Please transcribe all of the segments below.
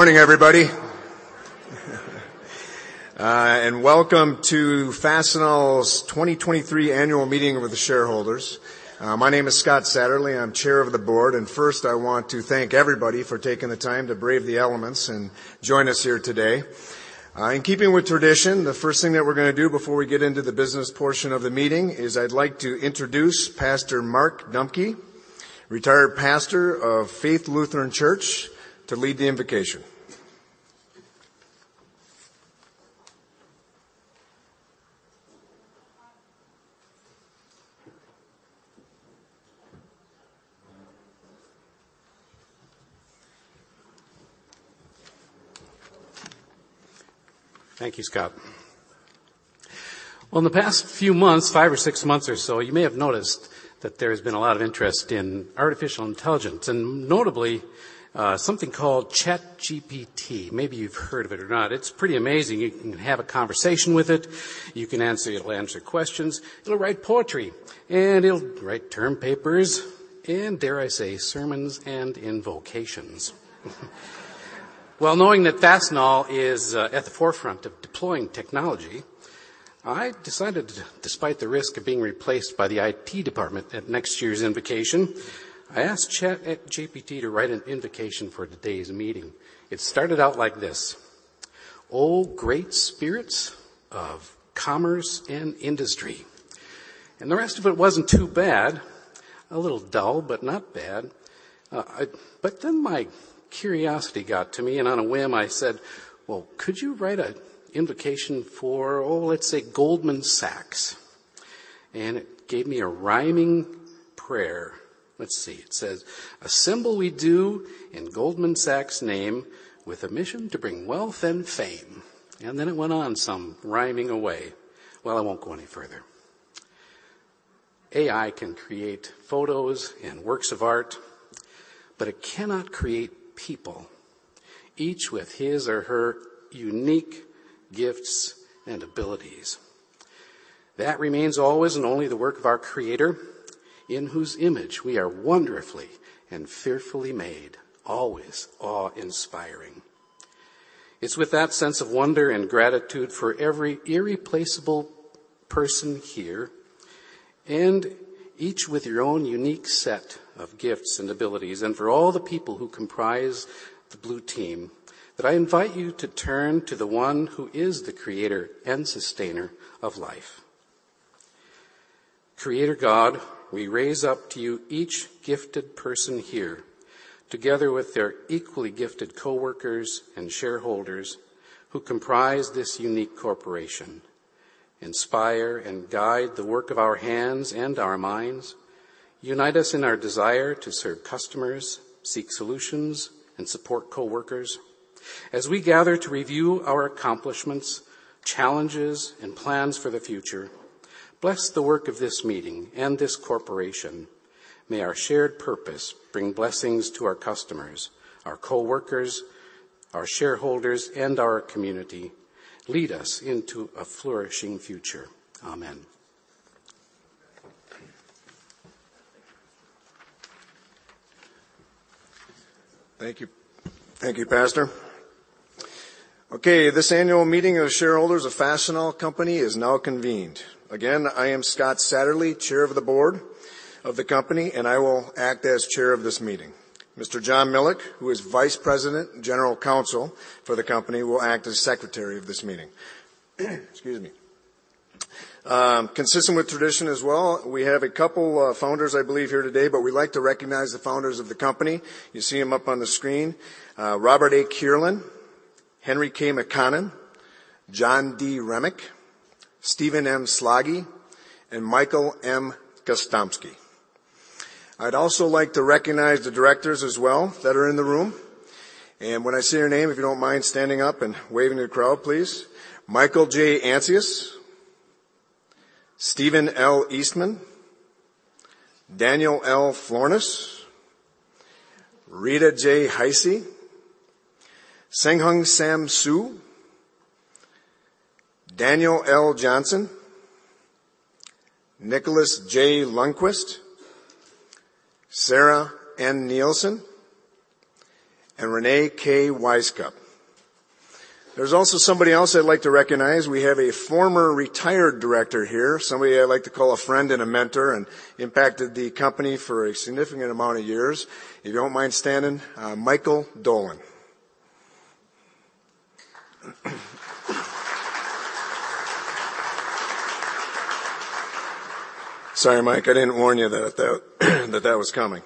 Morning, everybody, welcome to Fastenal's 2023 Annual Meeting with the Shareholders. My name is Scott A. Satterlee, I'm Chair of the Board, first I want to thank everybody for taking the time to brave the elements and join us here today. In keeping with tradition, the first thing that we're gonna do before we get into the business portion of the meeting is I'd like to introduce Pastor Mark Dumke, retired pastor of Faith Lutheran Church, to lead the invocation. Thank you, Scott. Well, in the past few months, five or six months or so, you may have noticed that there has been a lot of interest in artificial intelligence and notably, something called ChatGPT. Maybe you've heard of it or not. It's pretty amazing. You can have a conversation with it. It'll answer questions. It'll write poetry, it'll write term papers and, dare I say, sermons and invocations. Well, knowing that Fastenal is at the forefront of deploying technology, I decided, despite the risk of being replaced by the IT department at next year's invocation, I asked ChatGPT to write an invocation for today's meeting. It started out like this, "Oh, great spirits of commerce and industry." The rest of it wasn't too bad. A little dull, but not bad. I... My curiosity got to me, and on a whim I said, "Well, could you write an invocation for, oh, let's say Goldman Sachs?" It gave me a rhyming prayer. Let's see. It says, "Assemble we do in Goldman Sachs' name with a mission to bring wealth and fame." Then it went on some rhyming away. Well, I won't go any further. A.I. can create photos and works of art, but it cannot create people, each with his or her unique gifts and abilities. That remains always and only the work of our Creator in whose image we are wonderfully and fearfully made, always awe-inspiring. It's with that sense of wonder and gratitude for every irreplaceable person here and each with your own unique set of gifts and abilities, and for all the people who comprise the Blue Team, that I invite you to turn to the one who is the Creator and Sustainer of life. Creator God, we raise up to you each gifted person here together with their equally gifted coworkers and shareholders who comprise this unique corporation. Inspire and guide the work of our hands and our minds. Unite us in our desire to serve customers, seek solutions, and support coworkers. As we gather to review our accomplishments, challenges, and plans for the future, bless the work of this meeting and this corporation. May our shared purpose bring blessings to our customers, our coworkers, our shareholders, and our community. Lead us into a flourishing future. Amen. Thank you. Thank you, Pastor. This annual meeting of shareholders of Fastenal Company is now convened. I am Scott Satterlee, chair of the board of the company, and I will act as chair of this meeting. Mr. John Mielke, who is Vice President and General Counsel for the company, will act as secretary of this meeting. Excuse me. Consistent with tradition as well, we have a couple founders, I believe, here today, but we like to recognize the founders of the company. You see them up on the screen. Robert A. Kierlin, Henry K. McConnon, John D. Remick, Stephen M. Slaggie, and Michael M. Gostomski. I'd also like to recognize the directors as well that are in the room, and when I say your name, if you don't mind standing up and waving to the crowd, please. Michael J. Ancius, Stephen L. Eastman, Daniel L. Florness, Rita J. Heise, Hsenghung Sam Hsu, Daniel L. Johnson, Nicholas J. Lundquist, Sarah N. Nielsen, and Renee K. Wisecup. There's also somebody else I'd like to recognize. We have a former retired director here, somebody I'd like to call a friend and a mentor and impacted the company for a significant amount of years. If you don't mind standing, Michael Dolan. Sorry, Mike, I didn't warn you that that was coming.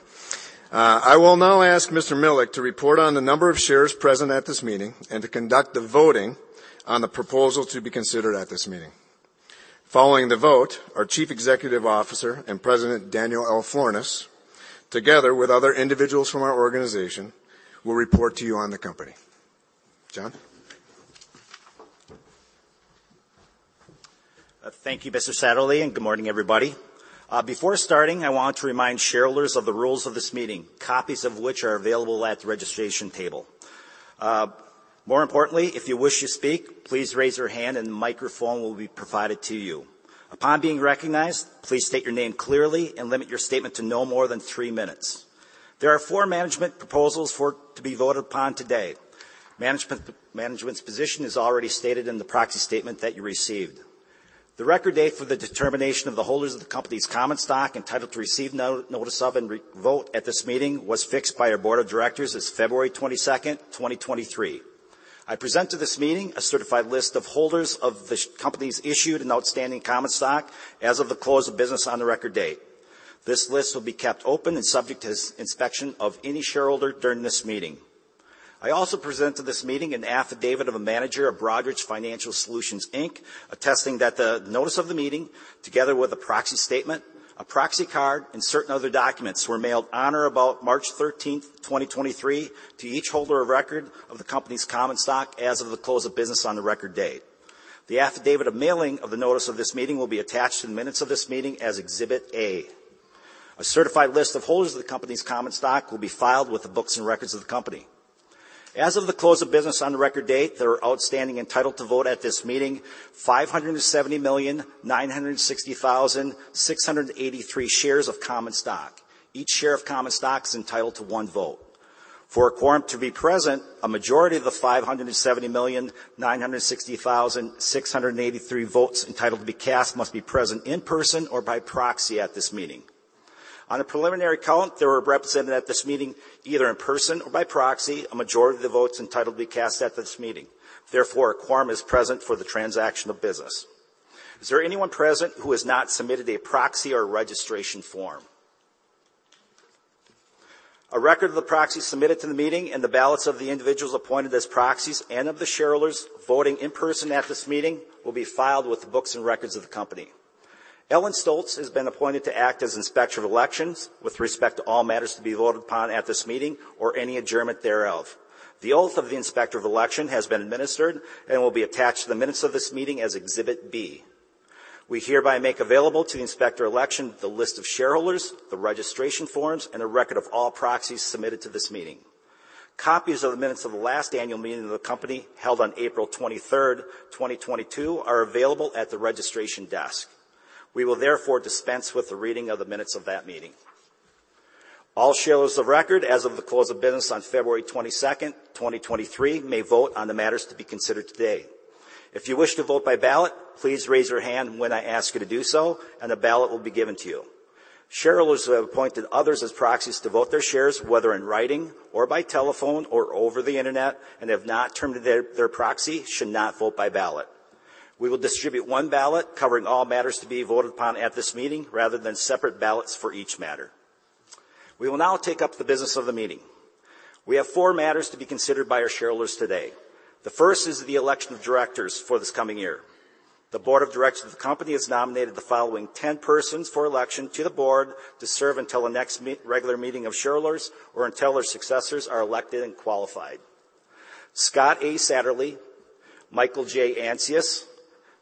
I will now ask Mr. Mielke to report on the number of shares present at this meeting and to conduct the voting on the proposal to be considered at this meeting. Following the vote, our Chief Executive Officer and President, Daniel L. Florness, together with other individuals from our organization, will report to you on the company. John? Thank you, Mr. Satterlee. Good morning, everybody. Before starting, I want to remind shareholders of the rules of this meeting, copies of which are available at the registration table. More importantly, if you wish to speak, please raise your hand. The microphone will be provided to you. Upon being recognized, please state your name clearly and limit your statement to no more than three minutes. There are four management proposals to be voted upon today. Management's position is already stated in the proxy statement that you received. The record date for the determination of the holders of the company's common stock entitled to receive notice of and vote at this meeting was fixed by our board of directors as February 22, 2023. I present to this meeting a certified list of holders of the company's issued and outstanding common stock as of the close of business on the record date. This list will be kept open and subject to inspection of any shareholder during this meeting. I also present to this meeting an affidavit of a manager of Broadridge Financial Solutions, Inc., attesting that the notice of the meeting, together with a proxy statement, a proxy card, and certain other documents were mailed on or about March 13, 2023 to each holder of record of the company's common stock as of the close of business on the record date. The affidavit of mailing of the notice of this meeting will be attached to the minutes of this meeting as Exhibit A. A certified list of holders of the company's common stock will be filed with the books and records of the company. As of the close of business on the record date, there are outstanding entitled to vote at this meeting, 570,960,683 shares of common stock. Each share of common stock is entitled to one vote. For a quorum to be present, a majority of the 570,960,683 votes entitled to be cast must be present in person or by proxy at this meeting. On a preliminary count, there were represented at this meeting, either in person or by proxy, a majority of the votes entitled to be cast at this meeting. Therefore, a quorum is present for the transaction of business. Is there anyone present who has not submitted a proxy or registration form? A record of the proxies submitted to the meeting and the ballots of the individuals appointed as proxies and of the shareholders voting in person at this meeting will be filed with the books and records of the company. Ellen Stoltz has been appointed to act as Inspector of Elections with respect to all matters to be voted upon at this meeting or any adjournment thereof. The oath of the Inspector of Election has been administered and will be attached to the minutes of this meeting as Exhibit B. We hereby make available to the Inspector of Election the list of shareholders, the registration forms, and a record of all proxies submitted to this meeting. Copies of the minutes of the last annual meeting of the company held on April 23rd, 2022, are available at the registration desk. We will therefore dispense with the reading of the minutes of that meeting. All shareholders of record as of the close of business on February 22nd, 2023, may vote on the matters to be considered today. If you wish to vote by ballot, please raise your hand when I ask you to do so, and a ballot will be given to you. Shareholders who have appointed others as proxies to vote their shares, whether in writing or by telephone or over the Internet, and have not terminated their proxy should not vote by ballot. We will distribute one ballot covering all matters to be voted upon at this meeting rather than separate ballots for each matter. We will now take up the business of the meeting. We have four matters to be considered by our shareholders today. The first is the election of directors for this coming year. The board of directors of the company has nominated the following 10 persons for election to the board to serve until the next regular meeting of shareholders or until their successors are elected and qualified. Scott A. Satterlee, Michael J. Ancius,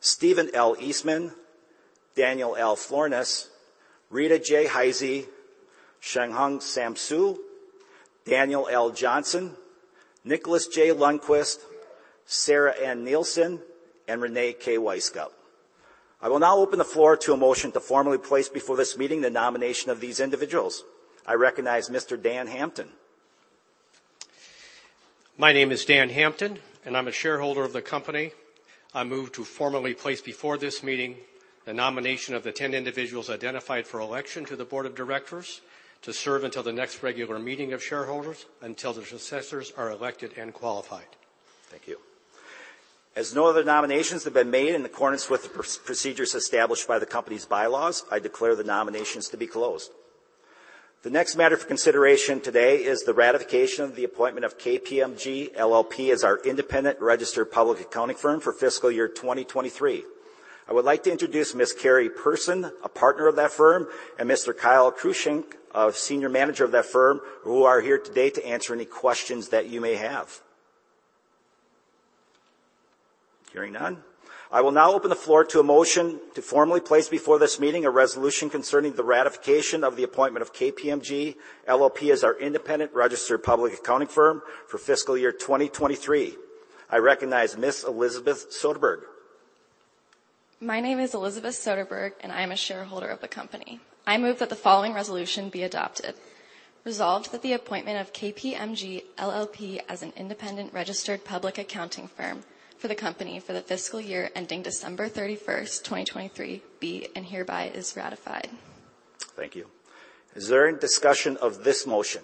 Stephen L. Eastman, Daniel L. Florness, Rita J. Heise, Hsenghung Sam Hsu, Daniel L. Johnson, Nicholas J. Lundquist, Sarah N. Nielsen, and Reyne K. Wisecup. I will now open the floor to a motion to formally place before this meeting the nomination of these individuals. I recognize Mr. Dan Hampton. My name is Dan Hampton. I'm a shareholder of the company. I move to formally place before this meeting the nomination of the 10 individuals identified for election to the board of directors to serve until the next regular meeting of shareholders, until their successors are elected and qualified. Thank you. As no other nominations have been made in accordance with the procedures established by the company's bylaws, I declare the nominations to be closed. The next matter for consideration today is the ratification of the appointment of KPMG LLP as our independent registered public accounting firm for fiscal year 2023. I would like to introduce Ms. Carrie Person, a partner of that firm, and Mr. Kyle Kruschink, a senior manager of that firm, who are here today to answer any questions that you may have. Hearing none, I will now open the floor to a motion to formally place before this meeting a resolution concerning the ratification of the appointment of KPMG LLP as our independent registered public accounting firm for fiscal year 2023. I recognize Ms. Elizabeth Soderberg. My name is Elizabeth Soderberg. I am a shareholder of the company. I move that the following resolution be adopted. Resolved that the appointment of KPMG LLP as an independent registered public accounting firm for the company for the fiscal year ending December 31, 2023, be and hereby is ratified. Thank you. Is there any discussion of this motion?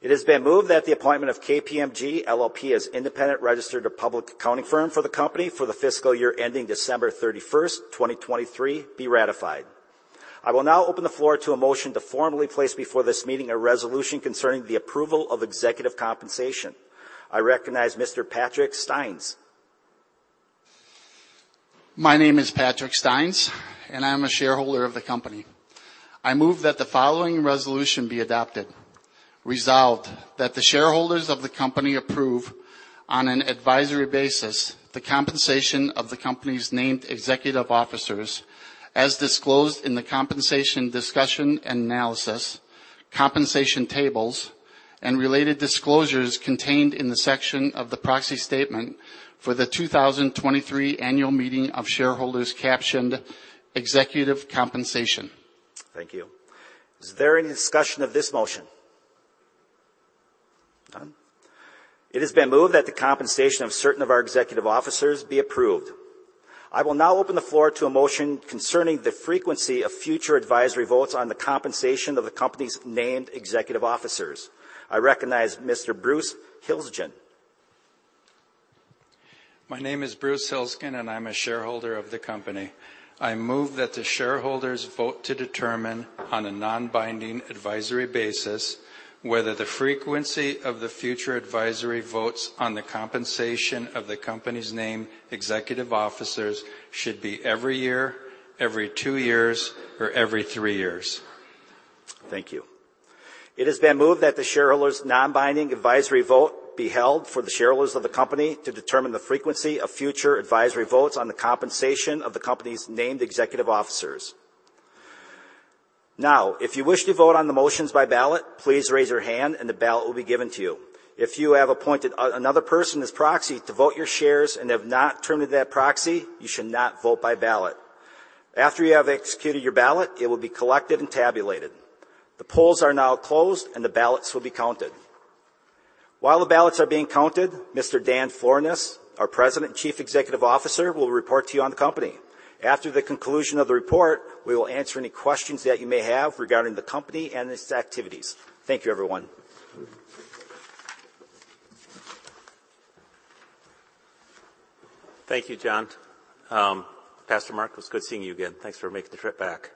It has been moved that the appointment of KPMG LLP as independent registered public accounting firm for the company for the fiscal year ending December 31st, 2023, be ratified. I will now open the floor to a motion to formally place before this meeting a resolution concerning the approval of executive compensation. I recognize Mr. Patrick Steins. My name is Patrick Steins, and I'm a shareholder of the company. I move that the following resolution be adopted. Resolved that the shareholders of the company approve on an advisory basis the compensation of the company's named executive officers as disclosed in the compensation discussion and analysis, compensation tables, and related disclosures contained in the section of the proxy statement for the 2023 annual meeting of shareholders captioned Executive Compensation. Thank you. Is there any discussion of this motion? None. It has been moved that the compensation of certain of our executive officers be approved. I will now open the floor to a motion concerning the frequency of future advisory votes on the compensation of the company's named executive officers. I recognize Mr. Bruce Hilsgen. My name is Bruce Hilsgen, and I'm a shareholder of the company. I move that the shareholders vote to determine on a non-binding advisory basis whether the frequency of the future advisory votes on the compensation of the company's named executive officers should be every year, every two years, or every three years. Thank you. It has been moved that the shareholders' non-binding advisory vote be held for the shareholders of the company to determine the frequency of future advisory votes on the compensation of the company's named executive officers. Now, if you wish to vote on the motions by ballot, please raise your hand, and the ballot will be given to you. If you have appointed another person as proxy to vote your shares and have not terminated that proxy, you should not vote by ballot. After you have executed your ballot, it will be collected and tabulated. The polls are now closed, and the ballots will be counted. While the ballots are being counted, Mr. Dan Florness, our President and Chief Executive Officer, will report to you on the company. After the conclusion of the report, we will answer any questions that you may have regarding the company and its activities. Thank you, everyone. Thank you, John. Pastor Mark, it's good seeing you again. Thanks for making the trip back.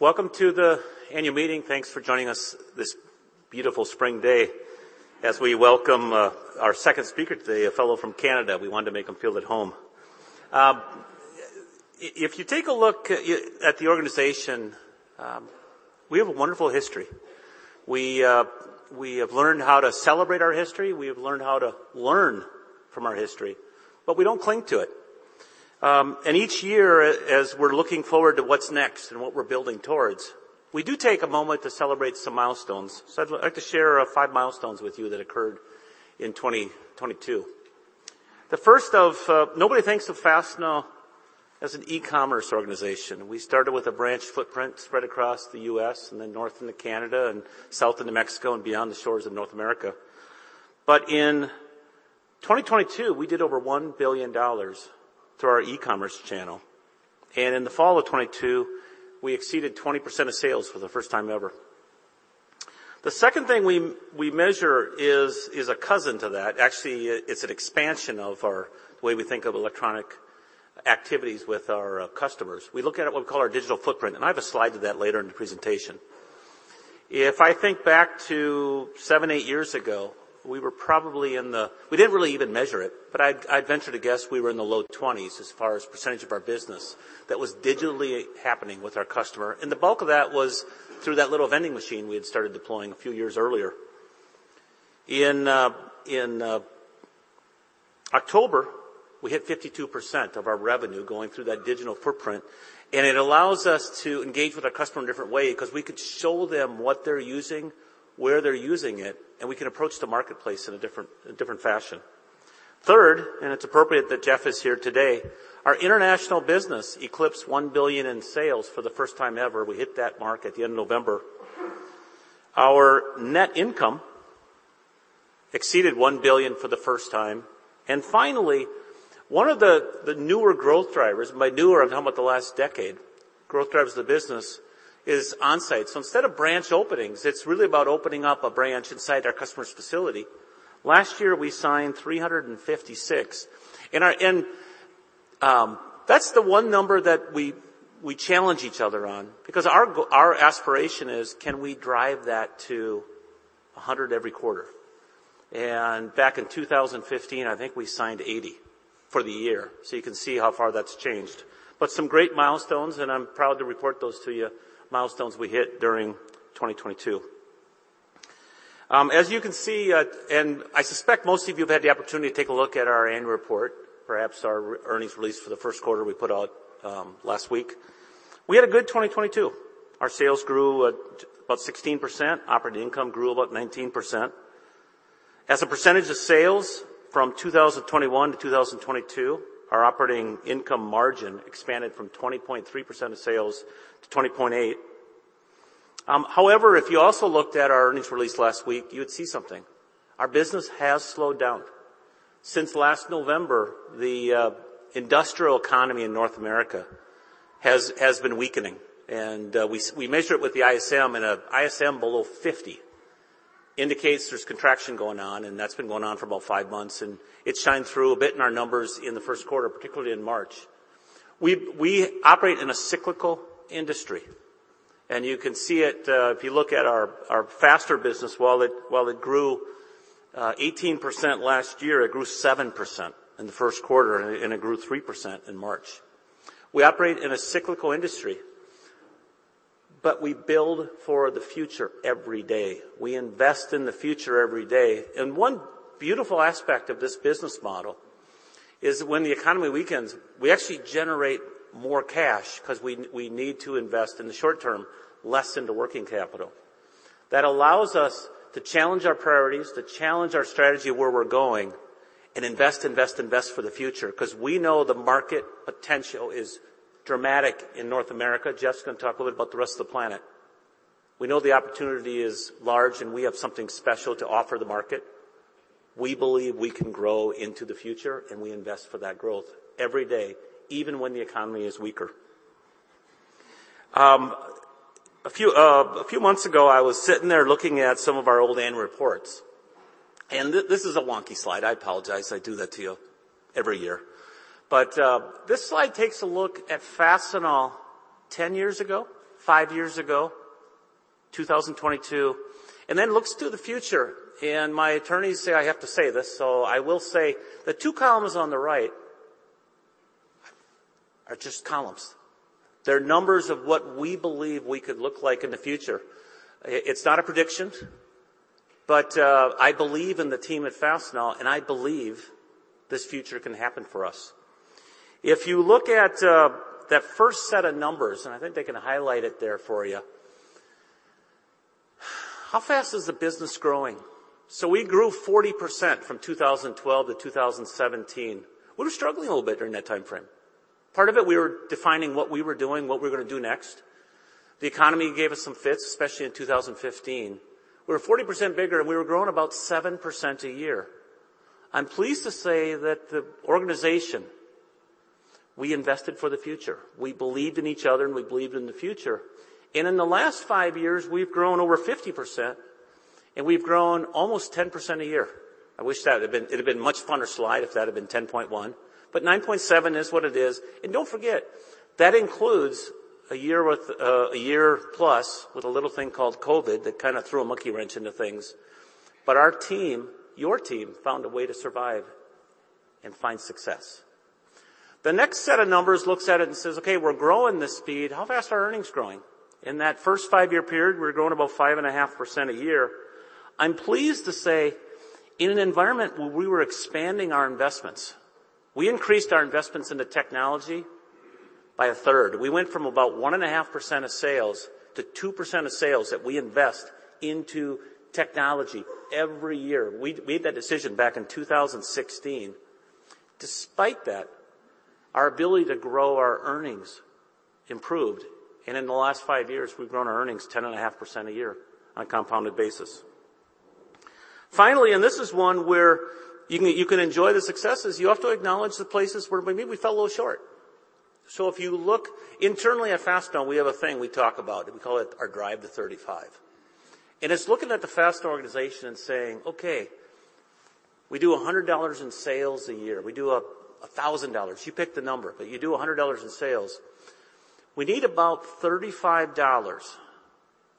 Welcome to the annual meeting. Thanks for joining us this beautiful spring day as we welcome our second speaker today, a fellow from Canada. We wanted to make him feel at home. If you take a look at the organization, we have a wonderful history. We have learned how to celebrate our history. We have learned how to learn from our history, but we don't cling to it. Each year, as we're looking forward to what's next and what we're building towards, we do take a moment to celebrate some milestones. I'd like to share ffive milestones with you that occurred in 2022. The first of, nobody thinks of Fastenal as an e-commerce organization. We started with a branch footprint spread across the U.S. and then north into Canada and south into Mexico and beyond the shores of North America. In 2022, we did over $1 billion through our e-commerce channel, and in the fall of 2022, we exceeded 20% of sales for the first time ever. The second thing we measure is a cousin to that. Actually, it's an expansion of our way we think of electronic activities with our customers. We look at it what we call our digital footprint, and I have a slide to that later in the presentation. If I think back to seven, eight years ago, we were probably in the. We didn't really even measure it, but I'd venture to guess we were in the low 20s as far as percentage of our business that was digitally happening with our customer. The bulk of that was through that little vending machine we had started deploying a few years earlier. In October, we hit 52% of our revenue going through that digital footprint. It allows us to engage with our customer in a different way because we could show them what they're using, where they're using it, and we can approach the marketplace in a different fashion. Third, it's appropriate that Jeff is here today, our international business eclipsed $1 billion in sales for the first time ever. We hit that mark at the end of November. Our net income exceeded $1 billion for the first time. Finally, one of the newer growth drivers, by newer I'm talking about the last decade, growth drivers of the business is Onsite. Instead of branch openings, it's really about opening up a branch inside our customer's facility. Last year, we signed 356. That's the one number that we challenge each other on because our aspiration is can we drive that to 100 every quarter? Back in 2015, I think we signed 80 for the year. You can see how far that's changed. Some great milestones, and I'm proud to report those to you, milestones we hit during 2022. As you can see, I suspect most of you have had the opportunity to take a look at our annual report. Perhaps our earnings release for the Q1 we put out last week. We had a good 2022. Our sales grew about 16%. Operating income grew about 19%. As a percentage of sales from 2021 to 2022, our operating income margin expanded from 20.3% of sales to 20.8%. However, if you also looked at our earnings release last week, you would see something. Our business has slowed down. Since last November, the industrial economy in North America has been weakening, and we measure it with the ISM. A ISM below 50 indicates there's contraction going on, and that's been going on for about 5 months, and it shined through a bit in our numbers in the Q1, particularly in March. We operate in a cyclical industry, and you can see it if you look at our faster business. While it grew 18% last year, it grew 7% in the Q1, and it grew 3% in March. We operate in a cyclical industry, but we build for the future every day. We invest in the future every day. One beautiful aspect of this business model is when the economy weakens, we actually generate more cash because we need to invest in the short term, less into working capital. That allows us to challenge our priorities, to challenge our strategy where we're going, and invest, invest for the future, 'cause we know the market potential is dramatic in North America. Jeff's gonna talk a little about the rest of the planet. We know the opportunity is large, we have something special to offer the market. We believe we can grow into the future, we invest for that growth every day, even when the economy is weaker. A few months ago, I was sitting there looking at some of our old annual reports, this is a wonky slide. I apologize. I do that to you every year. This slide takes a look at Fastenal 10 years ago, five years ago, 2022, then looks to the future. My attorneys say I have to say this, so I will say the 2 columns on the right are just columns. They're numbers of what we believe we could look like in the future. It's not a prediction, but I believe in the team at Fastenal, and I believe this future can happen for us. If you look at that first set of numbers, and I think they can highlight it there for you, how fast is the business growing? We grew 40% from 2012 to 2017. We were struggling a little bit during that timeframe. Part of it, we were defining what we were doing, what we're gonna do next. The economy gave us some fits, especially in 2015. We were 40% bigger, and we were growing about 7% a year. I'm pleased to say that the organization, we invested for the future. We believed in each other, and we believed in the future. In the last five years, we've grown over 50%, and we've grown almost 10% a year. I wish it'd been a much funner slide if that had been 10.1, but 9.7 is what it is. Don't forget, that includes a year with a year plus with a little thing called COVID that kinda threw a monkey wrench into things. Our team, your team, found a way to survive and find success. The next set of numbers looks at it and says, "Okay, we're growing this speed. How fast are earnings growing?" In that first five-year period, we were growing about 5.5% a year. I'm pleased to say, in an environment where we were expanding our investments, we increased our investments into technology by a third. We went from about 1.5% of sales to 2% of sales that we invest into technology every year. We made that decision back in 2016. Despite that, our ability to grow our earnings improved. In the last five years, we've grown our earnings 10.5% a year on a compounded basis. Finally, this is one where you can enjoy the successes, you have to acknowledge the places where maybe we fell a little short. If you look internally at Fastenal, we have a thing we talk about, and we call it our Drive the Thirty-Five. It's looking at the Fastenal organization and saying, "Okay, we do $100 in sales a year. We do a $1,000." You pick the number, but you do $100 in sales. We need about $35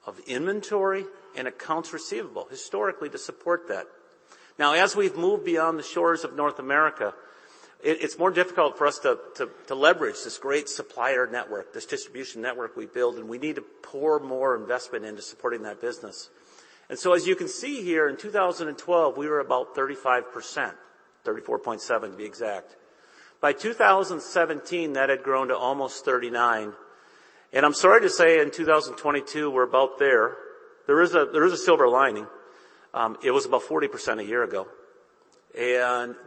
of inventory and accounts receivable historically to support that. Now, as we've moved beyond the shores of North America, it's more difficult for us to leverage this great supplier network, this distribution network we've built, and we need to pour more investment into supporting that business. As you can see here, in 2012, we were about 35%, 34.7% to be exact. By 2017, that had grown to almost 39%. I'm sorry to say, in 2022, we're about there. There is a silver lining. It was about 40% a year ago.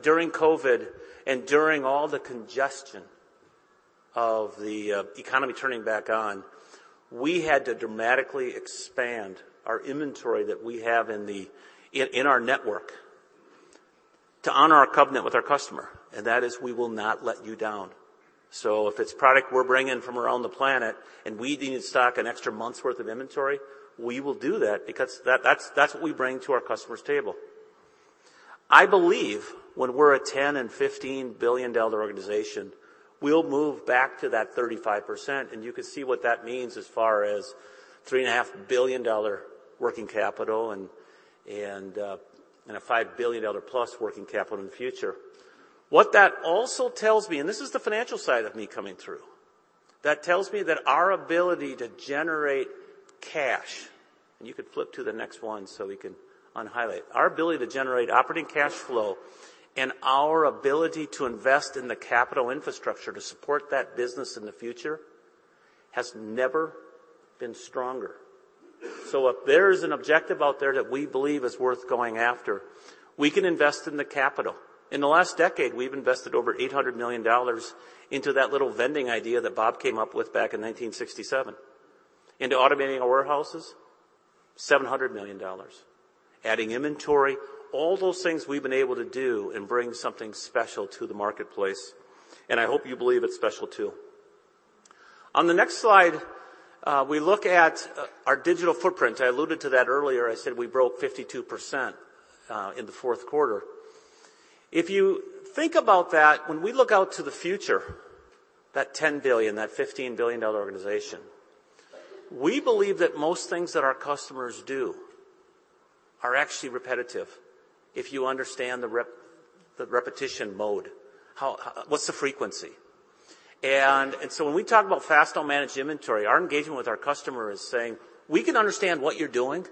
During COVID, during all the congestion of the economy turning back on, we had to dramatically expand our inventory that we have in our network to honor our covenant with our customer, and that is we will not let you down. If it's product we're bringing from around the planet, and we need to stock an extra month's worth of inventory, we will do that because that's what we bring to our customers' table. I believe when we're a 10 and 15 billion dollar organization, we'll move back to that 35%, and you can see what that means as far as $3.5 billion working capital and a $5 billion-plus working capital in the future. What that also tells me, and this is the financial side of me coming through, that tells me that our ability to generate cash. You can flip to the next one, we can un-highlight. Our ability to generate operating cash flow and our ability to invest in the capital infrastructure to support that business in the future has never been stronger. If there is an objective out there that we believe is worth going after, we can invest in the capital. In the last decade, we've invested over $800 million into that little vending idea that Bob came up with back in 1967. Into automating our warehouses, $700 million. Adding inventory, all those things we've been able to do and bring something special to the marketplace. I hope you believe it's special too. On the next slide, we look at our digital footprint. I alluded to that earlier. I said we broke 52% in the Q4. If you think about that, when we look out to the future, that $10 billion, that $15 billion organization, we believe that most things that our customers do are actually repetitive if you understand the repetition mode. How, what's the frequency? When we talk about Fastenal Managed Inventory, our engagement with our customer is saying, "We can understand what you're doing."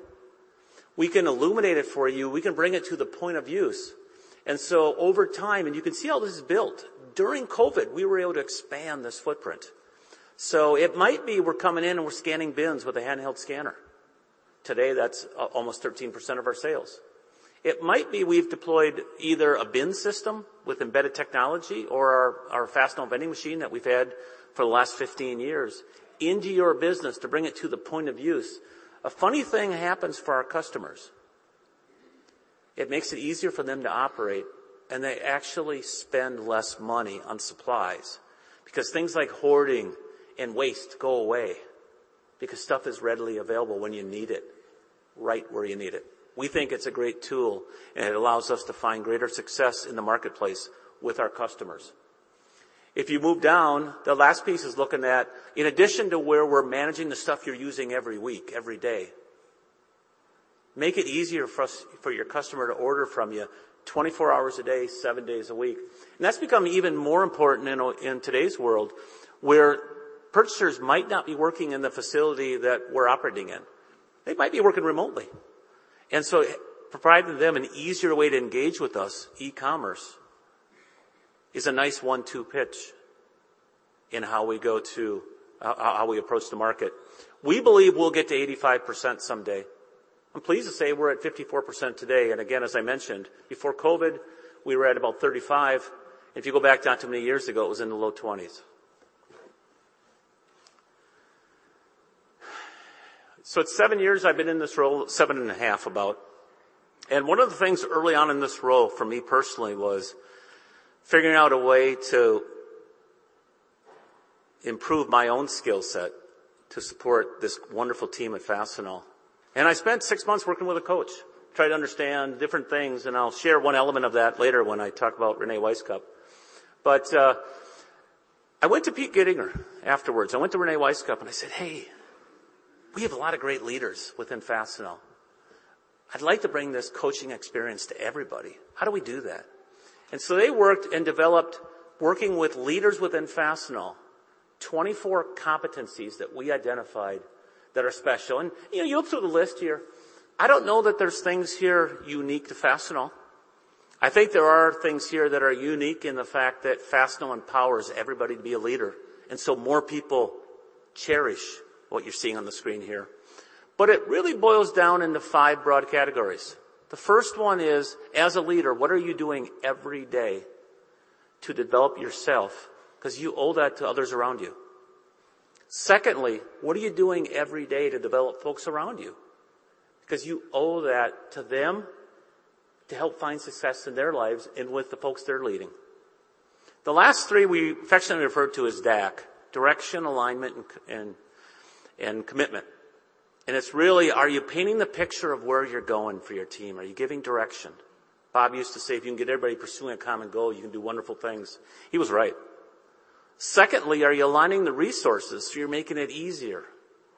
We can illuminate it for you. We can bring it to the point of use. Over time, and you can see how this is built, during COVID, we were able to expand this footprint. So it might be we're coming in and we're scanning bins with a handheld scanner. Today, that's almost 13% of our sales. It might be we've deployed either a bin system with embedded technology or our Fastenal vending machine that we've had for the last 15 years into your business to bring it to the point of use. A funny thing happens for our customers. It makes it easier for them to operate, and they actually spend less money on supplies because things like hoarding and waste go away because stuff is readily available when you need it, right where you need it. We think it's a great tool, and it allows us to find greater success in the marketplace with our customers. If you move down, the last piece is looking at in addition to where we're managing the stuff you're using every week, every day, make it easier for us, for your customer to order from you 24 hours a day, seven days a week. That's become even more important in today's world, where purchasers might not be working in the facility that we're operating in. They might be working remotely. Providing them an easier way to engage with us, e-commerce, is a nice one-two pitch in how we approach the market. We believe we'll get to 85% someday. I'm pleased to say we're at 54% today. Again, as I mentioned, before COVID, we were at about 35%. If you go back not too many years ago, it was in the low 20s%. It's seven years I've been in this role, seven and a half about. One of the things early on in this role for me personally was figuring out a way to improve my own skill set to support this wonderful team at Fastenal. I spent six months working with a coach, trying to understand different things, and I'll share one element of that later when I talk about Renee K. Weispfenning. I went to Peter Gittler afterwards. I went to Renee K. Weispfenning, and I said, "Hey, we have a lot of great leaders within Fastenal. I'd like to bring this coaching experience to everybody. How do we do that?" They worked and developed, working with leaders within Fastenal, 24 competencies that we identified that are special. You know, you look through the list here, I don't know that there's things here unique to Fastenal. I think there are things here that are unique in the fact that Fastenal empowers everybody to be a leader, and so more people cherish what you're seeing on the screen here. It really boils down into five broad categories. The first one is, as a leader, what are you doing every day to develop yourself? Because you owe that to others around you. Secondly, what are you doing every day to develop folks around you? Because you owe that to them to help find success in their lives and with the folks they're leading. The last three we affectionately refer to as DAC, direction, alignment, and commitment. It's really, are you painting the picture of where you're going for your team? Are you giving direction? Bob used to say, "If you can get everybody pursuing a common goal, you can do wonderful things." He was right. Are you aligning the resources, so you're making it easier?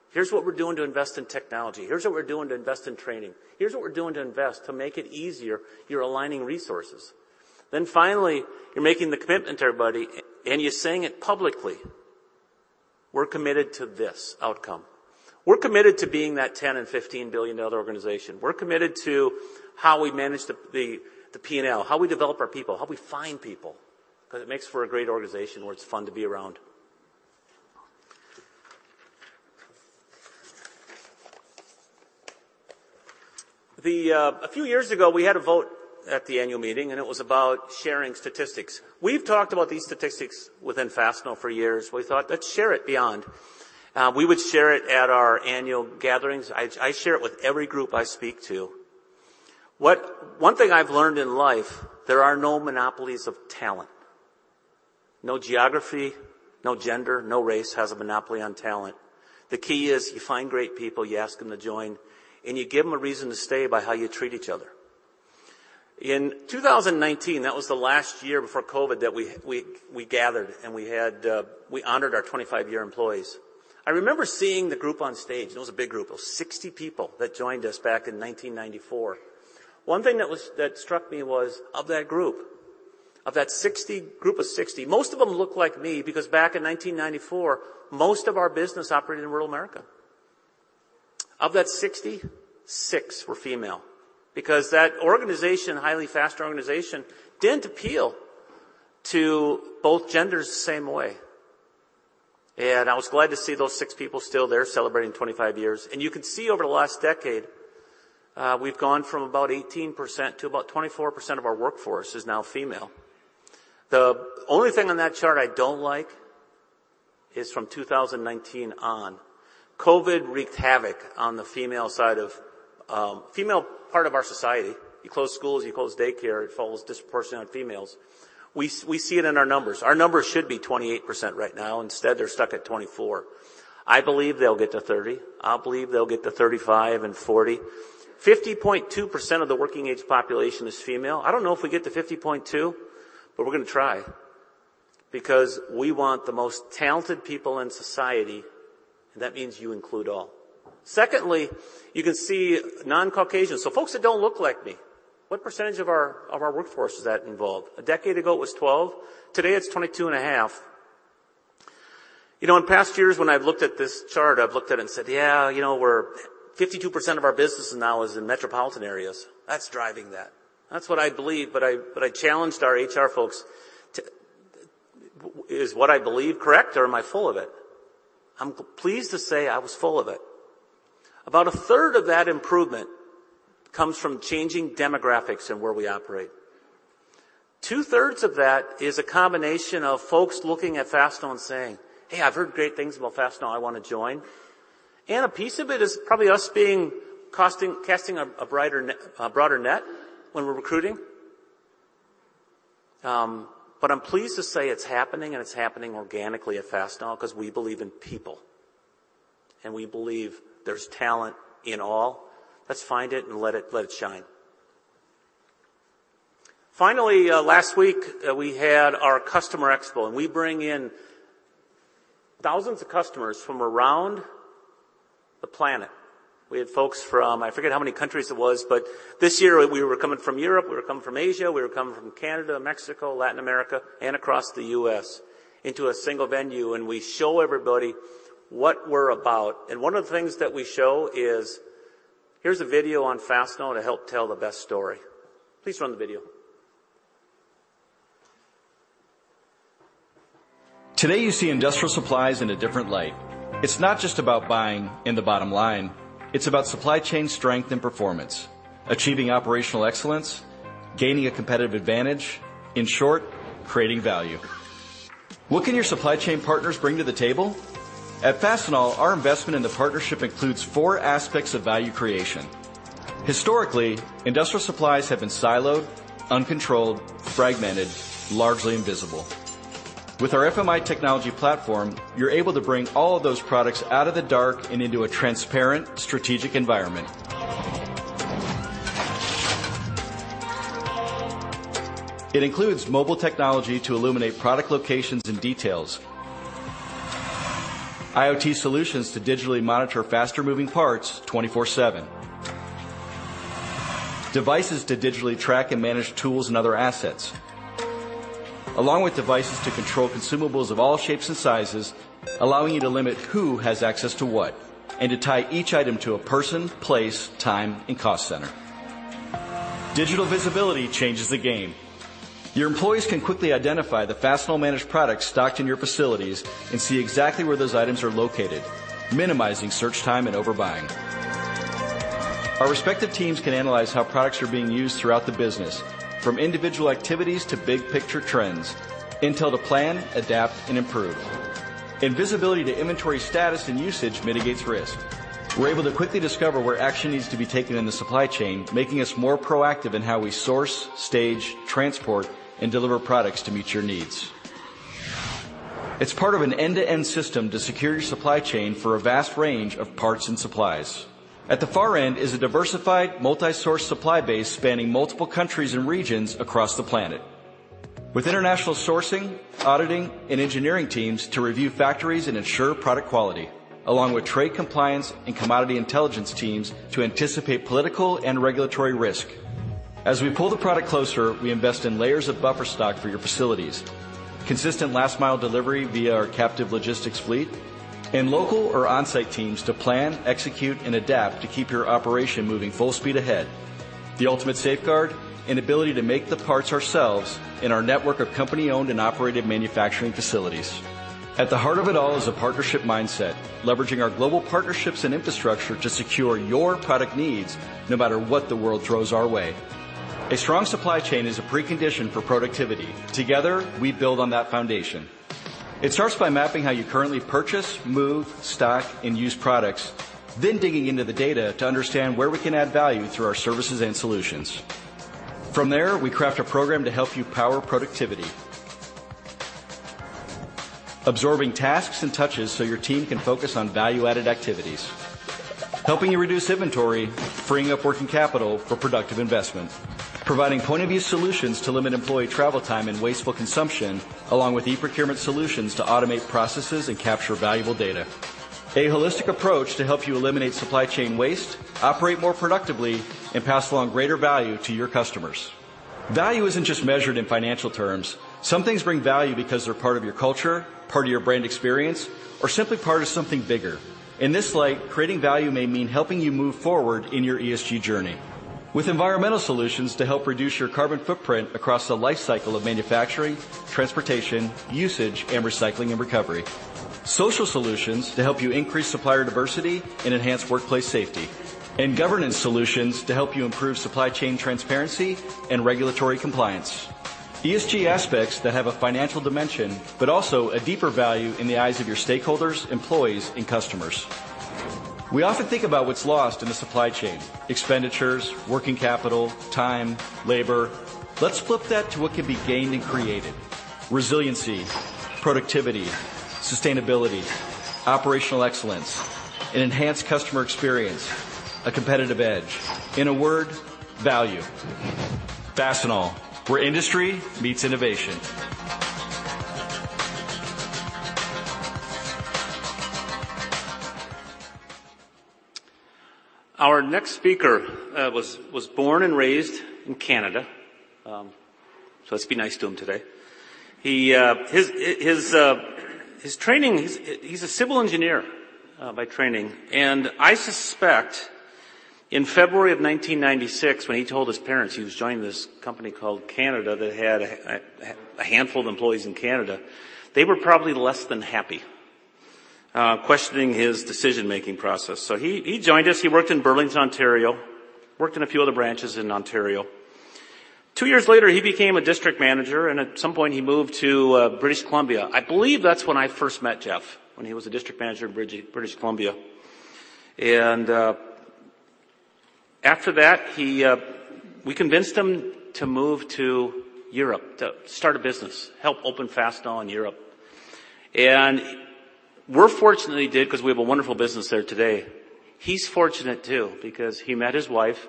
Here's what we're doing to invest in technology. Here's what we're doing to invest in training. Here's what we're doing to invest to make it easier. You're aligning resources. Finally, you're making the commitment to everybody, and you're saying it publicly. We're committed to this outcome. We're committed to being that 10 and 15 billion-dollar organization. We're committed to how we manage the P&L, how we develop our people, how we find people, because it makes for a great organization where it's fun to be around. A few years ago, we had a vote at the annual meeting, and it was about sharing statistics. We've talked about these statistics within Fastenal for years. We thought, "Let's share it beyond." We would share it at our annual gatherings. I share it with every group I speak to. One thing I've learned in life, there are no monopolies of talent. No geography, no gender, no race has a monopoly on talent. The key is you find great people, you ask them to join, and you give them a reason to stay by how you treat each other. In 2019, that was the last year before COVID that we gathered, and we honored our 25-year employees. I remember seeing the group on stage, it was a big group. It was 60 people that joined us back in 1994. One thing that struck me was of that group, of that 60, most of them looked like me because back in 1994, most of our business operated in rural America. Of that 60, six were female because that organization, highly faster organization, didn't appeal to both genders the same way. I was glad to see those six people still there celebrating 25 years. You can see over the last decade, we've gone from about 18% to about 24% of our workforce is now female. The only thing on that chart I don't like is from 2019 on. COVID wreaked havoc on the female side of female part of our society. You close schools, you close daycare, it falls disproportionately on females. We see it in our numbers. Our numbers should be 28% right now. Instead, they're stuck at 24. I believe they'll get to 30. I believe they'll get to 35 and 40. 50.2% of the working age population is female. I don't know if we'll get to 50.2, but we're gonna try because we want the most talented people in society, and that means you include all. Secondly, you can see non-Caucasians, so folks that don't look like me. What percentage of our, of our workforce does that involve? A decade ago, it was 12. Today, it's 22.5%. You know, in past years, when I've looked at this chart, I've looked at it and said, "Yeah, you know, 52% of our business now is in metropolitan areas. That's driving that." That's what I believe, but I challenged our HR folks to: Is what I believe correct, or am I full of it? I'm pleased to say I was full of it. About a third of that improvement comes from changing demographics and where we operate. Two-thirds of that is a combination of folks looking at Fastenal and saying, "Hey, I've heard great things about Fastenal, I wanna join." A piece of it is probably us being casting a broader net when we're recruiting. I'm pleased to say it's happening, and it's happening organically at Fastenal because we believe in people, and we believe there's talent in all. Let's find it and let it shine. Finally, last week, we had our customer expo, we bring in thousands of customers from around the planet. We had folks from, I forget how many countries it was, this year we were coming from Europe, we were coming from Asia, we were coming from Canada, Mexico, Latin America, and across the U.S. into a single venue, we show everybody what we're about. One of the things that we show is, here's a video on Fastenal to help tell the best story. Please run the video. Today, you see industrial supplies in a different light. It's not just about buying in the bottom line. It's about supply chain strength and performance, achieving operational excellence, gaining a competitive advantage. In short, creating value. What can your supply chain partners bring to the table? At Fastenal, our investment in the partnership includes four aspects of value creation. Historically, industrial supplies have been siloed, uncontrolled, fragmented, largely invisible. With our FMI technology platform, you're able to bring all of those products out of the dark and into a transparent, strategic environment. It includes mobile technology to illuminate product locations and details. IOT solutions to digitally monitor faster moving parts 24/7. Devices to digitally track and manage tools and other assets, along with devices to control consumables of all shapes and sizes, allowing you to limit who has access to what and to tie each item to a person, place, time, and cost center. Digital visibility changes the game. Your employees can quickly identify the Fastenal managed products stocked in your facilities and see exactly where those items are located, minimizing search time and overbuying. Our respective teams can analyze how products are being used throughout the business, from individual activities to big picture trends, intel to plan, adapt, and improve. Visibility to inventory status and usage mitigates risk. We're able to quickly discover where action needs to be taken in the supply chain, making us more proactive in how we source, stage, transport, and deliver products to meet your needs. It's part of an end-to-end system to secure your supply chain for a vast range of parts and supplies. At the far end is a diversified, multi-source supply base spanning multiple countries and regions across the planet. With international sourcing, auditing, and engineering teams to review factories and ensure product quality, along with trade compliance and commodity intelligence teams to anticipate political and regulatory risk. As we pull the product closer, we invest in layers of buffer stock for your facilities. Consistent last mile delivery via our captive logistics fleet and local or on-site teams to plan, execute, and adapt to keep your operation moving full speed ahead. The ultimate safeguard and ability to make the parts ourselves in our network of company-owned and operated manufacturing facilities. At the heart of it all is a partnership mindset, leveraging our global partnerships and infrastructure to secure your product needs, no matter what the world throws our way. A strong supply chain is a precondition for productivity. Together, we build on that foundation. It starts by mapping how you currently purchase, move, stock, and use products, then digging into the data to understand where we can add value through our services and solutions. From there, we craft a program to help you power productivity. Absorbing tasks and touches so your team can focus on value-added activities. Helping you reduce inventory, freeing up working capital for productive investment. Providing point-of-view solutions to limit employee travel time and wasteful consumption, along with e-procurement solutions to automate processes and capture valuable data. A holistic approach to help you eliminate supply chain waste, operate more productively, and pass along greater value to your customers. Value isn't just measured in financial terms. Some things bring value because they're part of your culture, part of your brand experience, or simply part of something bigger. In this light, creating value may mean helping you move forward in your ESG journey. With environmental solutions to help reduce your carbon footprint across the life cycle of manufacturing, transportation, usage, and recycling and recovery. Social solutions to help you increase supplier diversity and enhance workplace safety. Governance solutions to help you improve supply chain transparency and regulatory compliance. ESG aspects that have a financial dimension, but also a deeper value in the eyes of your stakeholders, employees, and customers. We often think about what's lost in the supply chain: expenditures, working capital, time, labor. Let's flip that to what can be gained and created: resiliency, productivity, sustainability, operational excellence, an enhanced customer experience, a competitive edge. In a word, value. Fastenal: where industry meets innovation. Our next speaker was born and raised in Canada, let's be nice to him today. His training, he's a civil engineer by training. I suspect in February of 1996, when he told his parents he was joining this company called Fastenal that had a handful of employees in Canada, they were probably less than happy questioning his decision-making process. He joined us. He worked in Burlington, Ontario, worked in a few other branches in Ontario. Two years later, he became a district manager, at some point, he moved to British Columbia. I believe that's when I first met Jeff, when he was a district manager in British Columbia. After that, he... we convinced him to move to Europe to start a business, help open Fastenal in Europe. We're fortunate that he did 'cause we have a wonderful business there today. He's fortunate too because he met his wife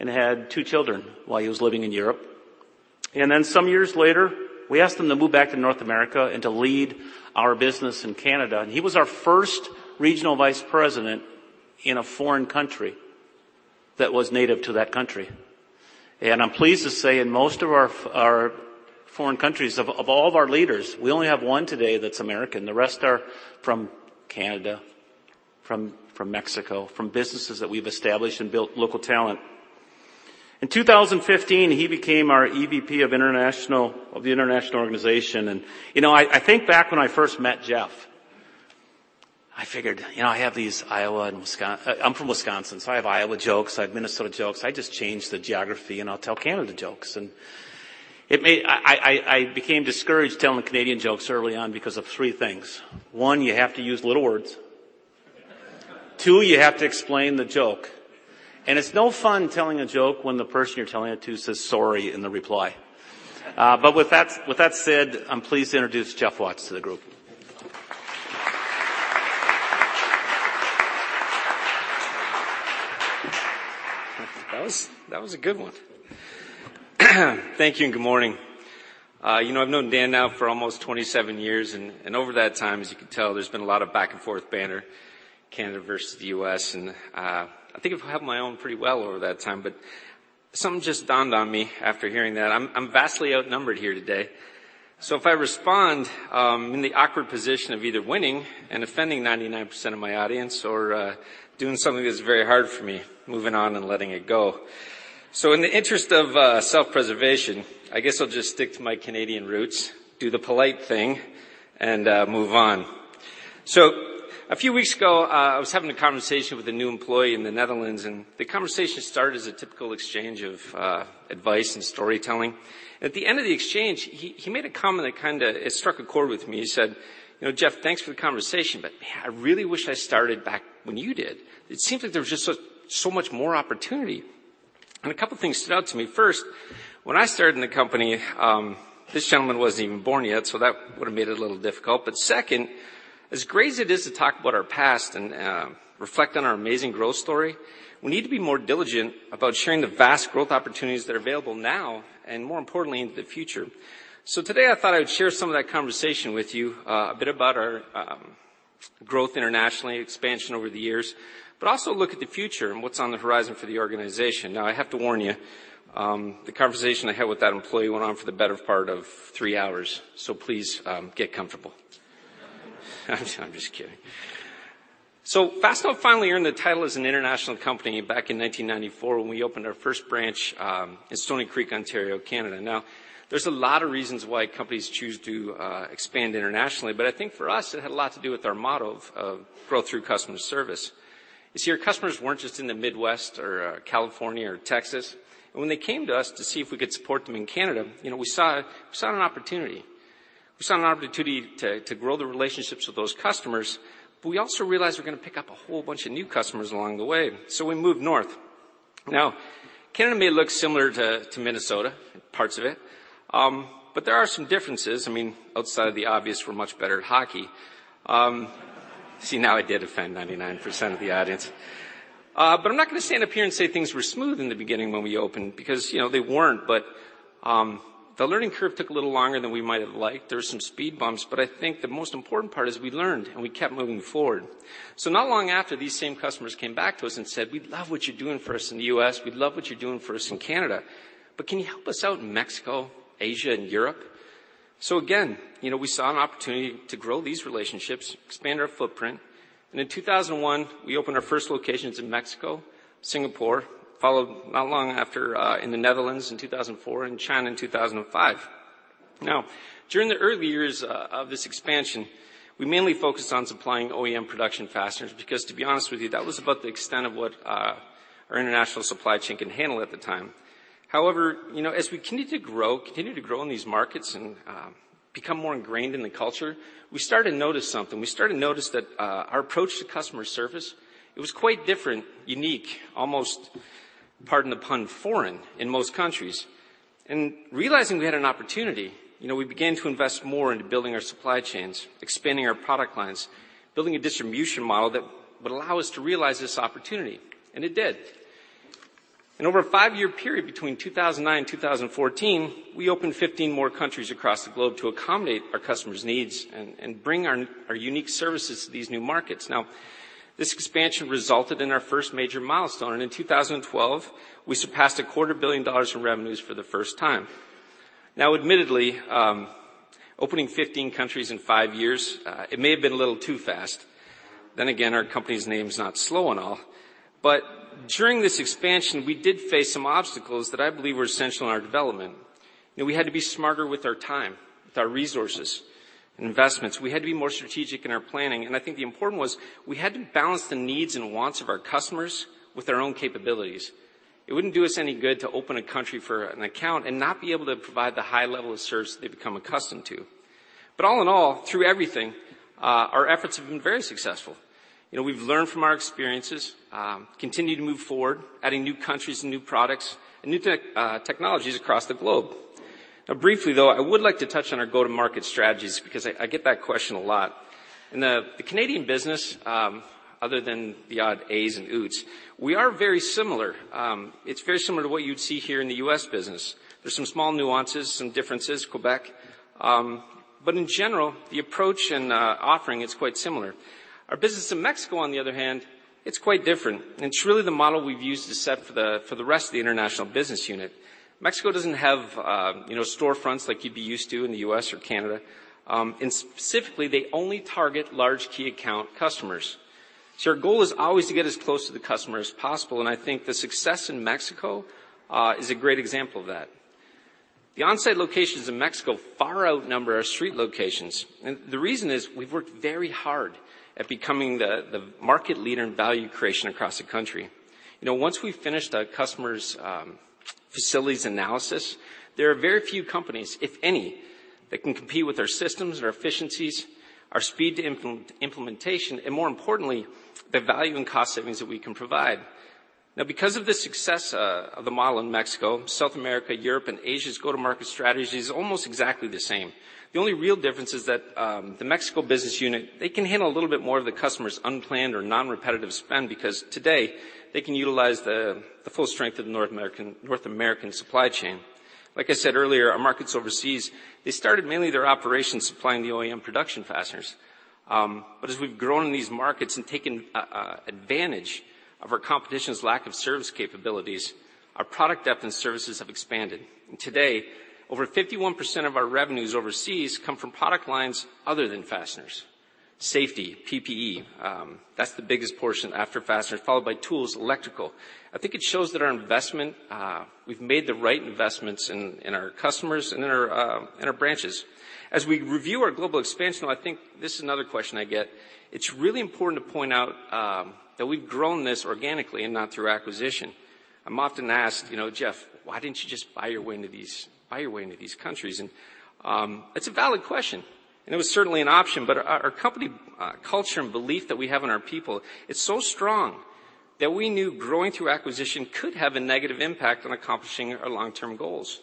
and had two children while he was living in Europe. Some years later, we asked him to move back to North America and to lead our business in Canada. He was our first regional vice president in a foreign country that was native to that country. I'm pleased to say, in most of our foreign countries, of all of our leaders, we only have one today that's American. The rest are from Canada, from Mexico, from businesses that we've established and built local talent. In 2015, he became our EVP of the international organization. You know, I think back when I first met Jeff, I figured, you know, I have these Iowa and I'm from Wisconsin, so I have Iowa jokes, I have Minnesota jokes. I just changed the geography, I'll tell Canada jokes. I became discouraged telling Canadian jokes early on because of three things. One, you have to use little words. Two, you have to explain the joke. It's no fun telling a joke when the person you're telling it to says, "Sorry," in the reply. With that said, I'm pleased to introduce Jeff Watts to the group. That was a good one. Thank you, and good morning. You know, I've known Dan now for almost 27 years, and over that time, as you can tell, there's been a lot of back and forth banter, Canada versus the U.S. I think I've held my own pretty well over that time, but something just dawned on me after hearing that. I'm vastly outnumbered here today. If I respond in the awkward position of either winning and offending 99% of my audience or doing something that's very hard for me, moving on and letting it go. In the interest of self-preservation, I guess I'll just stick to my Canadian roots, do the polite thing, and move on. A few weeks ago, I was having a conversation with a new employee in the Netherlands. The conversation started as a typical exchange of advice and storytelling. At the end of the exchange, he made a comment that kinda, it struck a chord with me. He said, "You know, Jeff, thanks for the conversation, but, man, I really wish I started back when you did. It seems like there was just so much more opportunity." A couple things stood out to me. First, when I started in the company, this gentleman wasn't even born yet, so that would have made it a little difficult. Second, as great as it is to talk about our past and reflect on our amazing growth story, we need to be more diligent about sharing the vast growth opportunities that are available now and, more importantly, into the future. Today, I thought I would share some of that conversation with you, a bit about our growth internationally, expansion over the years. Also look at the future and what's on the horizon for the organization. I have to warn you, the conversation I had with that employee went on for the better part of three hours, so please, get comfortable. I'm just kidding. Fastenal finally earned the title as an international company back in 1994 when we opened our first branch in Stoney Creek, Ontario, Canada. There's a lot of reasons why companies choose to expand internationally, but I think for us it had a lot to do with our motto of grow through customer service. Our customers weren't just in the Midwest or California or Texas, when they came to us to see if we could support them in Canada, you know, we saw an opportunity. We saw an opportunity to grow the relationships with those customers, we also realized we're gonna pick up a whole bunch of new customers along the way, we moved north. Canada may look similar to Minnesota, parts of it, there are some differences. I mean, outside of the obvious we're much better at hockey. I did offend 99% of the audience. I'm not gonna stand up here and say things were smooth in the beginning when we opened because, you know, they weren't. The learning curve took a little longer than we might have liked. There were some speed bumps, but I think the most important part is we learned, and we kept moving forward. Not long after, these same customers came back to us and said, "We love what you're doing for us in the U.S. We love what you're doing for us in Canada, but can you help us out in Mexico, Asia, and Europe?" Again, you know, we saw an opportunity to grow these relationships, expand our footprint. In 2001, we opened our first locations in Mexico, Singapore, followed not long after, in the Netherlands in 2004, and China in 2005. Now, during the early years, of this expansion, we mainly focused on supplying OEM production fasteners because, to be honest with you, that was about the extent of what, our international supply chain can handle at the time. You know, as we continued to grow in these markets and, become more ingrained in the culture, we started to notice something. We started to notice that, our approach to customer service, it was quite different, unique, almost, pardon the pun, foreign in most countries. Realizing we had an opportunity, you know, we began to invest more into building our supply chains, expanding our product lines, building a distribution model that would allow us to realize this opportunity, and it did. Over a 5-year period between 2009, 2014, we opened 15 more countries across the globe to accommodate our customers' needs and bring our unique services to these new markets. This expansion resulted in our first major milestone, and in 2012, we surpassed a quarter billion dollars in revenues for the first time. Admittedly, opening 15 countries in 5 years, it may have been a little too fast. Again, our company's name is not Slow and All. During this expansion, we did face some obstacles that I believe were essential in our development. You know, we had to be smarter with our time, with our resources and investments. We had to be more strategic in our planning, I think the important was we had to balance the needs and wants of our customers with our own capabilities. It wouldn't do us any good to open a country for an account and not be able to provide the high level of service they've become accustomed to. All in all, through everything, our efforts have been very successful. You know, we've learned from our experiences, continue to move forward, adding new countries and new products and new technologies across the globe. Briefly, though, I would like to touch on our go-to-market strategies because I get that question a lot. In the Canadian business, other than the odd A's and Oots, we are very similar. It's very similar to what you'd see here in the U.S. business. There's some small nuances, some differences, Quebec, but in general, the approach and offering is quite similar. Our business in Mexico, on the other hand, it's quite different, and it's really the model we've used to set for the rest of the international business unit. Mexico doesn't have, you know, storefronts like you'd be used to in the U.S. or Canada. And specifically, they only target large key account customers. Our goal is always to get as close to the customer as possible, and I think the success in Mexico is a great example of that. The Onsite locations in Mexico far outnumber our street locations, and the reason is we've worked very hard at becoming the market leader in value creation across the country. You know, once we've finished our customer's facilities analysis, there are very few companies, if any, that can compete with our systems, our efficiencies, our speed to implementation, and more importantly, the value and cost savings that we can provide. Because of the success of the model in Mexico, South America, Europe, and Asia's go-to-market strategy is almost exactly the same. The only real difference is that the Mexico business unit, they can handle a little bit more of the customer's unplanned or non-repetitive spend because today they can utilize the full strength of the North American supply chain. I said earlier, our markets overseas, they started mainly their operations supplying the OEM production fasteners. As we've grown in these markets and taken advantage of our competition's lack of service capabilities, our product depth and services have expanded. Today, over 51% of our revenues overseas come from product lines other than fasteners. Safety, PPE, that's the biggest portion after fasteners, followed by tools, electrical. I think it shows that our investment, we've made the right investments in our customers and in our branches. As we review our global expansion, though I think this is another question I get, it's really important to point out that we've grown this organically and not through acquisition. I'm often asked, you know, "Jeff, why didn't you just buy your way into these countries?" It's a valid question, and it was certainly an option. Our company culture and belief that we have in our people, it's so strong that we knew growing through acquisition could have a negative impact on accomplishing our long-term goals.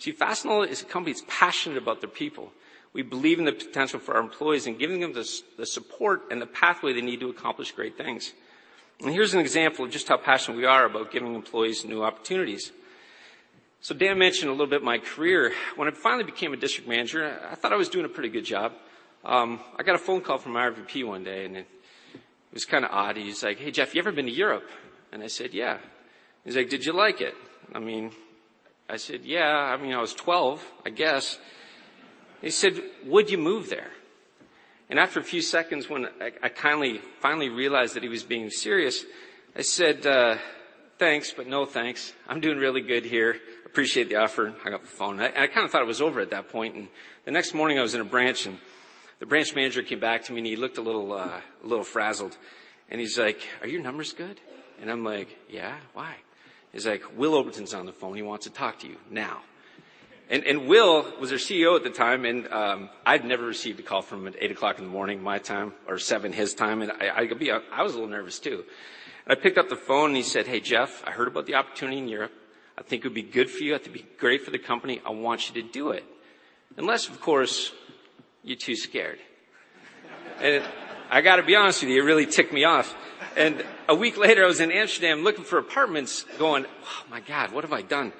Fastenal is a company that's passionate about their people. We believe in the potential for our employees and giving them the support and the pathway they need to accomplish great things. Here's an example of just how passionate we are about giving employees new opportunities. Dan mentioned a little bit my career. When I finally became a district manager, I thought I was doing a pretty good job. I got a phone call from our VP one day, and it was kind of odd. He's like, "Hey, Jeff, you ever been to Europe?" I said, "Yeah." He's like, "Did you like it?" I mean, I said, "Yeah." I mean, I was 12, I guess. He said, "Would you move there?" After a few seconds, when I finally realized that he was being serious, I said, "Thanks, but no, thanks. I'm doing really good here. Appreciate the offer." I got off the phone. I kinda thought it was over at that point. The next morning, I was in a branch, and the branch manager came back to me, and he looked a little, a little frazzled. He's like, "Are your numbers good?" I'm like, "Yeah. Why?" He's like, "Will Oberton's on the phone. He wants to talk to you now." Will was our CEO at the time, I'd never received a call from him at 8:00AM, my time or 7:00AM, his time, I was a little nervous too. I picked up the phone, and he said, "Hey, Jeff, I heard about the opportunity in Europe. I think it would be good for you. I think it would be great for the company. I want you to do it. Unless, of course, you're too scared." I gotta be honest with you, it really ticked me off. A week later, I was in Amsterdam looking for apartments going, "Oh my God, what have I done?"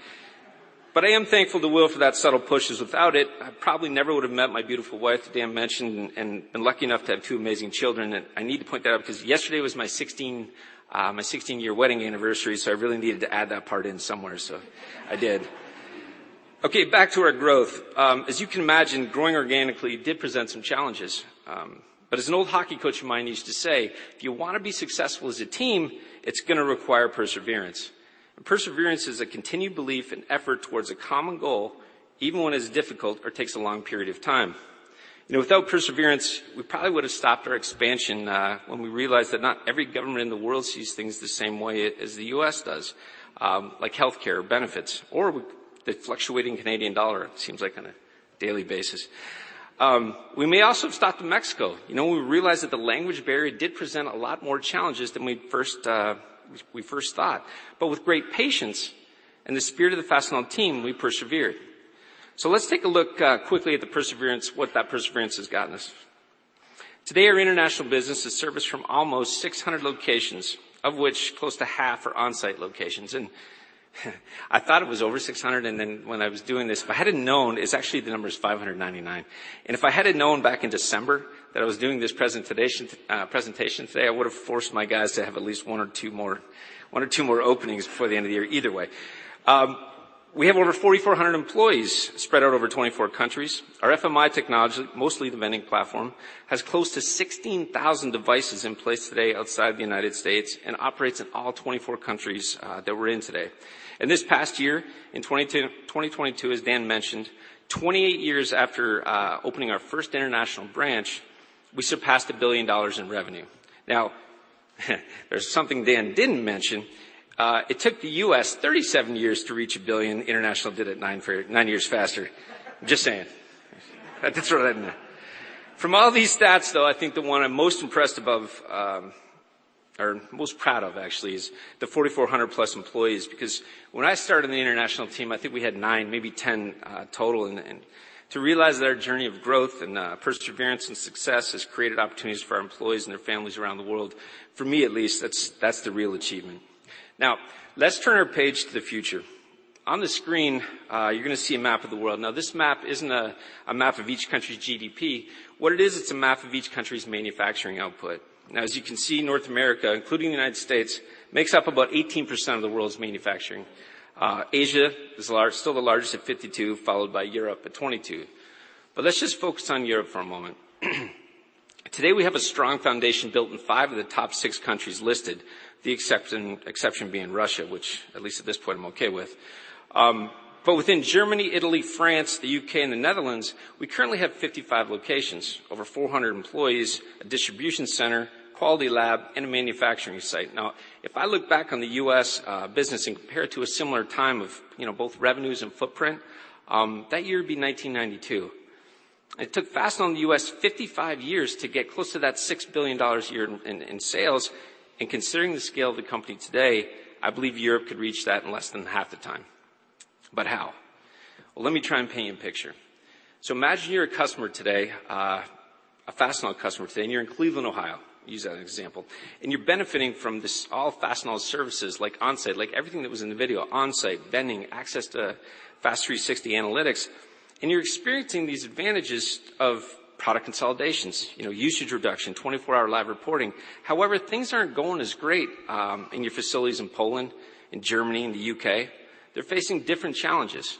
I am thankful to Will for that subtle push, because without it, I probably never would have met my beautiful wife that Dan mentioned and been lucky enough to have two amazing children. I need to point that out because yesterday was my 16, my 16-year wedding anniversary, I really needed to add that part in somewhere, I did. Okay, back to our growth. As you can imagine, growing organically did present some challenges. As an old hockey coach of mine used to say, "If you wanna be successful as a team, it's gonna require perseverance." Perseverance is a continued belief and effort towards a common goal, even when it's difficult or takes a long period of time. You know, without perseverance, we probably would have stopped our expansion when we realized that not every government in the world sees things the same way as the U.S. does, like healthcare, benefits, or the fluctuating Canadian dollar, it seems like on a daily basis. We may also have stopped in Mexico. You know, when we realized that the language barrier did present a lot more challenges than we first thought. With great patience and the spirit of the Fastenal team, we persevered. Let's take a look quickly at the perseverance, what that perseverance has gotten us. Today, our international business is serviced from almost 600 locations, of which close to half are Onsite locations. I thought it was over 600, and then when I was doing this, if I had known, it's actually the number is 599. If I had known back in December that I was doing this presentation today, I would have forced my guys to have at least one or two more openings before the end of the year. Either way, we have over 4,400 employees spread out over 24 countries. Our FMI technology, mostly the vending platform, has close to 16,000 devices in place today outside the United States and operates in all 24 countries that we're in today. In this past year, in 2022, as Dan mentioned, 28 years after opening our first international branch, we surpassed $1 billion in revenue. Now, there's something Dan didn't mention. It took the U.S. 37 years to reach $1 billion. International did it nine years faster. Just saying. I just threw that in there. From all these stats, though, I think the one I'm most impressed above, or most proud of actually is the 4,400+ employees, because when I started the international team, I think we had nine, maybe 10 total. To realize that our journey of growth and perseverance and success has created opportunities for our employees and their families around the world, for me at least, that's the real achievement. Now, let's turn our page to the future. On the screen, you're gonna see a map of the world. This map isn't a map of each country's GDP. What it is, it's a map of each country's manufacturing output. As you can see, North America, including the United States, makes up about 18% of the world's manufacturing. Asia is still the largest at 52, followed by Europe at 22. Let's just focus on Europe for a moment. Today, we have a strong foundation built in 5 of the top 6 countries listed, the exception being Russia, which at least at this point I'm okay with. Within Germany, Italy, France, the UK, and the Netherlands, we currently have 55 locations, over 400 employees, a distribution center, quality lab, and a manufacturing site. Now, if I look back on the U.S. business and compare it to a similar time of, you know, both revenues and footprint, that year would be 1992. It took Fastenal U.S. 55 years to get close to that $6 billion a year in sales. Considering the scale of the company today, I believe Europe could reach that in less than half the time. How? Let me try and paint you a picture. Imagine you're a customer today, a Fastenal customer today, and you're in Cleveland, Ohio, use that as an example, and you're benefiting from this all Fastenal services like Onsite, like everything that was in the video, Onsite, vending, access to FAST 360 analytics, and you're experiencing these advantages of product consolidations, you know, usage reduction, 24-hour live reporting. Things aren't going as great in your facilities in Poland, in Germany, in the U.K. They're facing different challenges.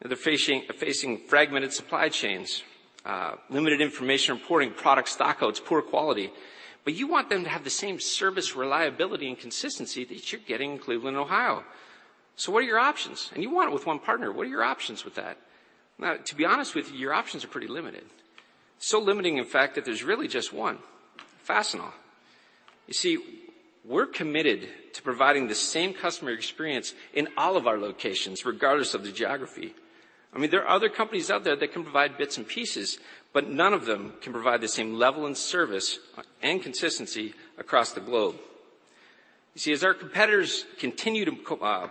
They're facing fragmented supply chains, limited information reporting, product stockouts, poor quality. You want them to have the same service, reliability, and consistency that you're getting in Cleveland, Ohio. What are your options? You want it with one partner. What are your options with that? To be honest with you, your options are pretty limited. Limiting, in fact, that there's really just one: Fastenal. You see, we're committed to providing the same customer experience in all of our locations, regardless of the geography. I mean, there are other companies out there that can provide bits and pieces, but none of them can provide the same level and service and consistency across the globe. You see, as our competitors continue to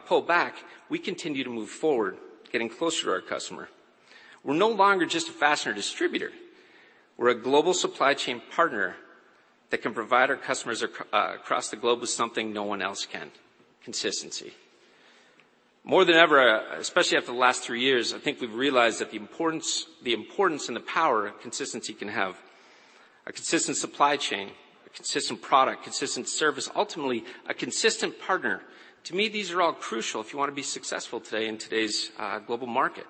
pull back, we continue to move forward, getting closer to our customer. We're no longer just a fastener distributor. We're a global supply chain partner that can provide our customers across the globe with something no one else can: consistency. More than ever, especially after the last three years, I think we've realized that the importance and the power consistency can have. A consistent supply chain, a consistent product, consistent service, ultimately a consistent partner. To me, these are all crucial if you wanna be successful today in today's global market.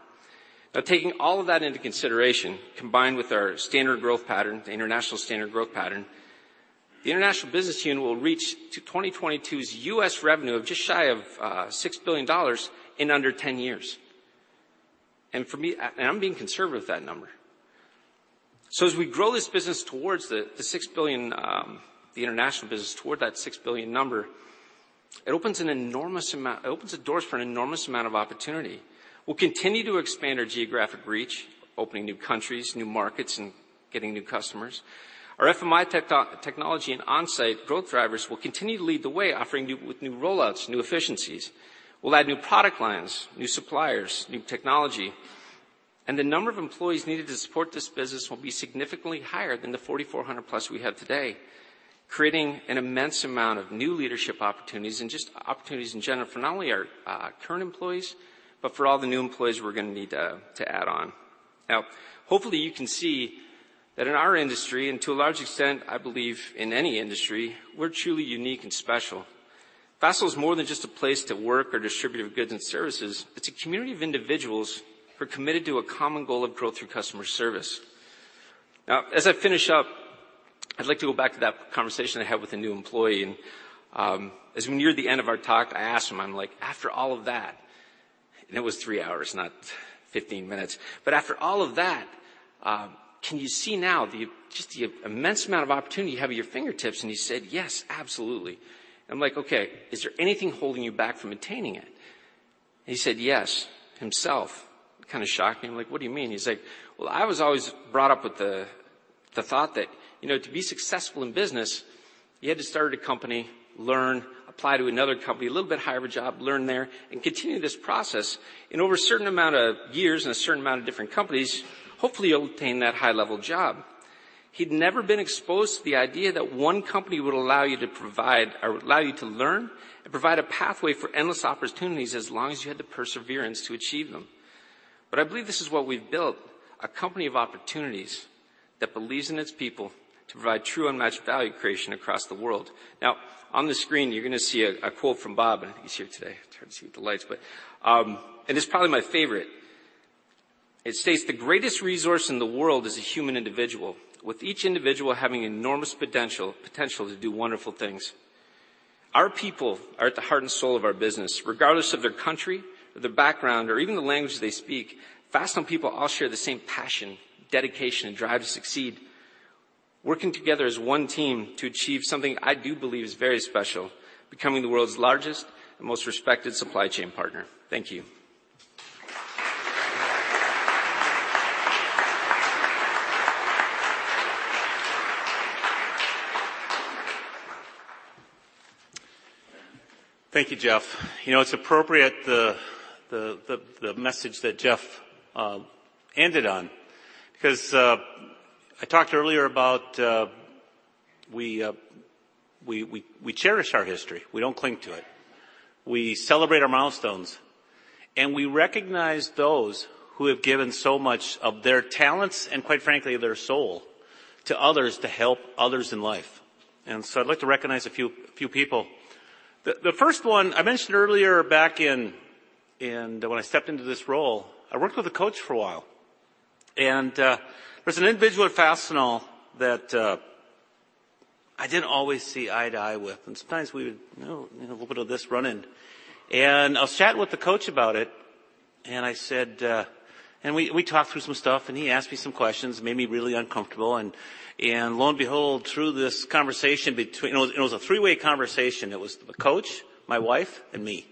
Taking all of that into consideration, combined with our standard growth pattern, the international standard growth pattern, the international business unit will reach to 2022's U.S. revenue of just shy of $6 billion in under 10 years. For me, I'm being conservative with that number. As we grow this business towards the $6 billion, the international business toward that $6 billion number, it opens the doors for an enormous amount of opportunity. We'll continue to expand our geographic reach, opening new countries, new markets, and getting new customers. Our FMI technology and Onsite growth drivers will continue to lead the way, offering with new rollouts, new efficiencies. We'll add new product lines, new suppliers, new technology. The number of employees needed to support this business will be significantly higher than the 4,400+ we have today, creating an immense amount of new leadership opportunities and just opportunities in general for not only our current employees, but for all the new employees we're gonna need to add on. Hopefully, you can see that in our industry, and to a large extent, I believe in any industry, we're truly unique and special. Fastenal is more than just a place to work or distribute goods and services. It's a community of individuals who are committed to a common goal of growth through customer service. As I finish up, I'd like to go back to that conversation I had with a new employee. As we neared the end of our talk, I asked him, I'm like, "After all of that." It was 3 hours, not 15 minutes. "But after all of that, can you see now the, just the immense amount of opportunity you have at your fingertips?" He said, "Yes, absolutely." I'm like, "Okay. Is there anything holding you back from attaining it?" He said, "Yes," himself. It kinda shocked me. I'm like, "What do you mean?" He's like, "Well, I was always brought up with the thought that, you know, to be successful in business. You had to start a company, learn, apply to another company, a little bit higher of a job, learn there, and continue this process. Over a certain amount of years and a certain amount of different companies, hopefully you'll obtain that high-level job. He'd never been exposed to the idea that one company would allow you to provide or allow you to learn and provide a pathway for endless opportunities as long as you had the perseverance to achieve them. I believe this is what we've built, a company of opportunities that believes in its people to provide true unmatched value creation across the world. On the screen, you're gonna see a quote from Bob, and he's here today. It's hard to see with the lights, and it's probably my favorite. It states, "The greatest resource in the world is a human individual, with each individual having enormous potential to do wonderful things." Our people are at the heart and soul of our business, regardless of their country, their background, or even the language they speak. Fastenal people all share the same passion, dedication, and drive to succeed, working together as one team to achieve something I do believe is very special, becoming the world's largest and most respected supply chain partner. Thank you. Thank you, Jeff. You know, it's appropriate the message that Jeff ended on 'cause I talked earlier about we cherish our history. We don't cling to it. We celebrate our milestones, and we recognize those who have given so much of their talents and, quite frankly, their soul to others to help others in life. I'd like to recognize a few people. The first one I mentioned earlier back in when I stepped into this role, I worked with a coach for a while. There's an individual at Fastenal that I didn't always see eye to eye with, and sometimes we would, you know, have a little bit of this run-in. I was chatting with the coach about it, and I said... We talked through some stuff, and he asked me some questions, made me really uncomfortable, and lo and behold, through this conversation. It was a three-way conversation. It was the coach, my wife, and me.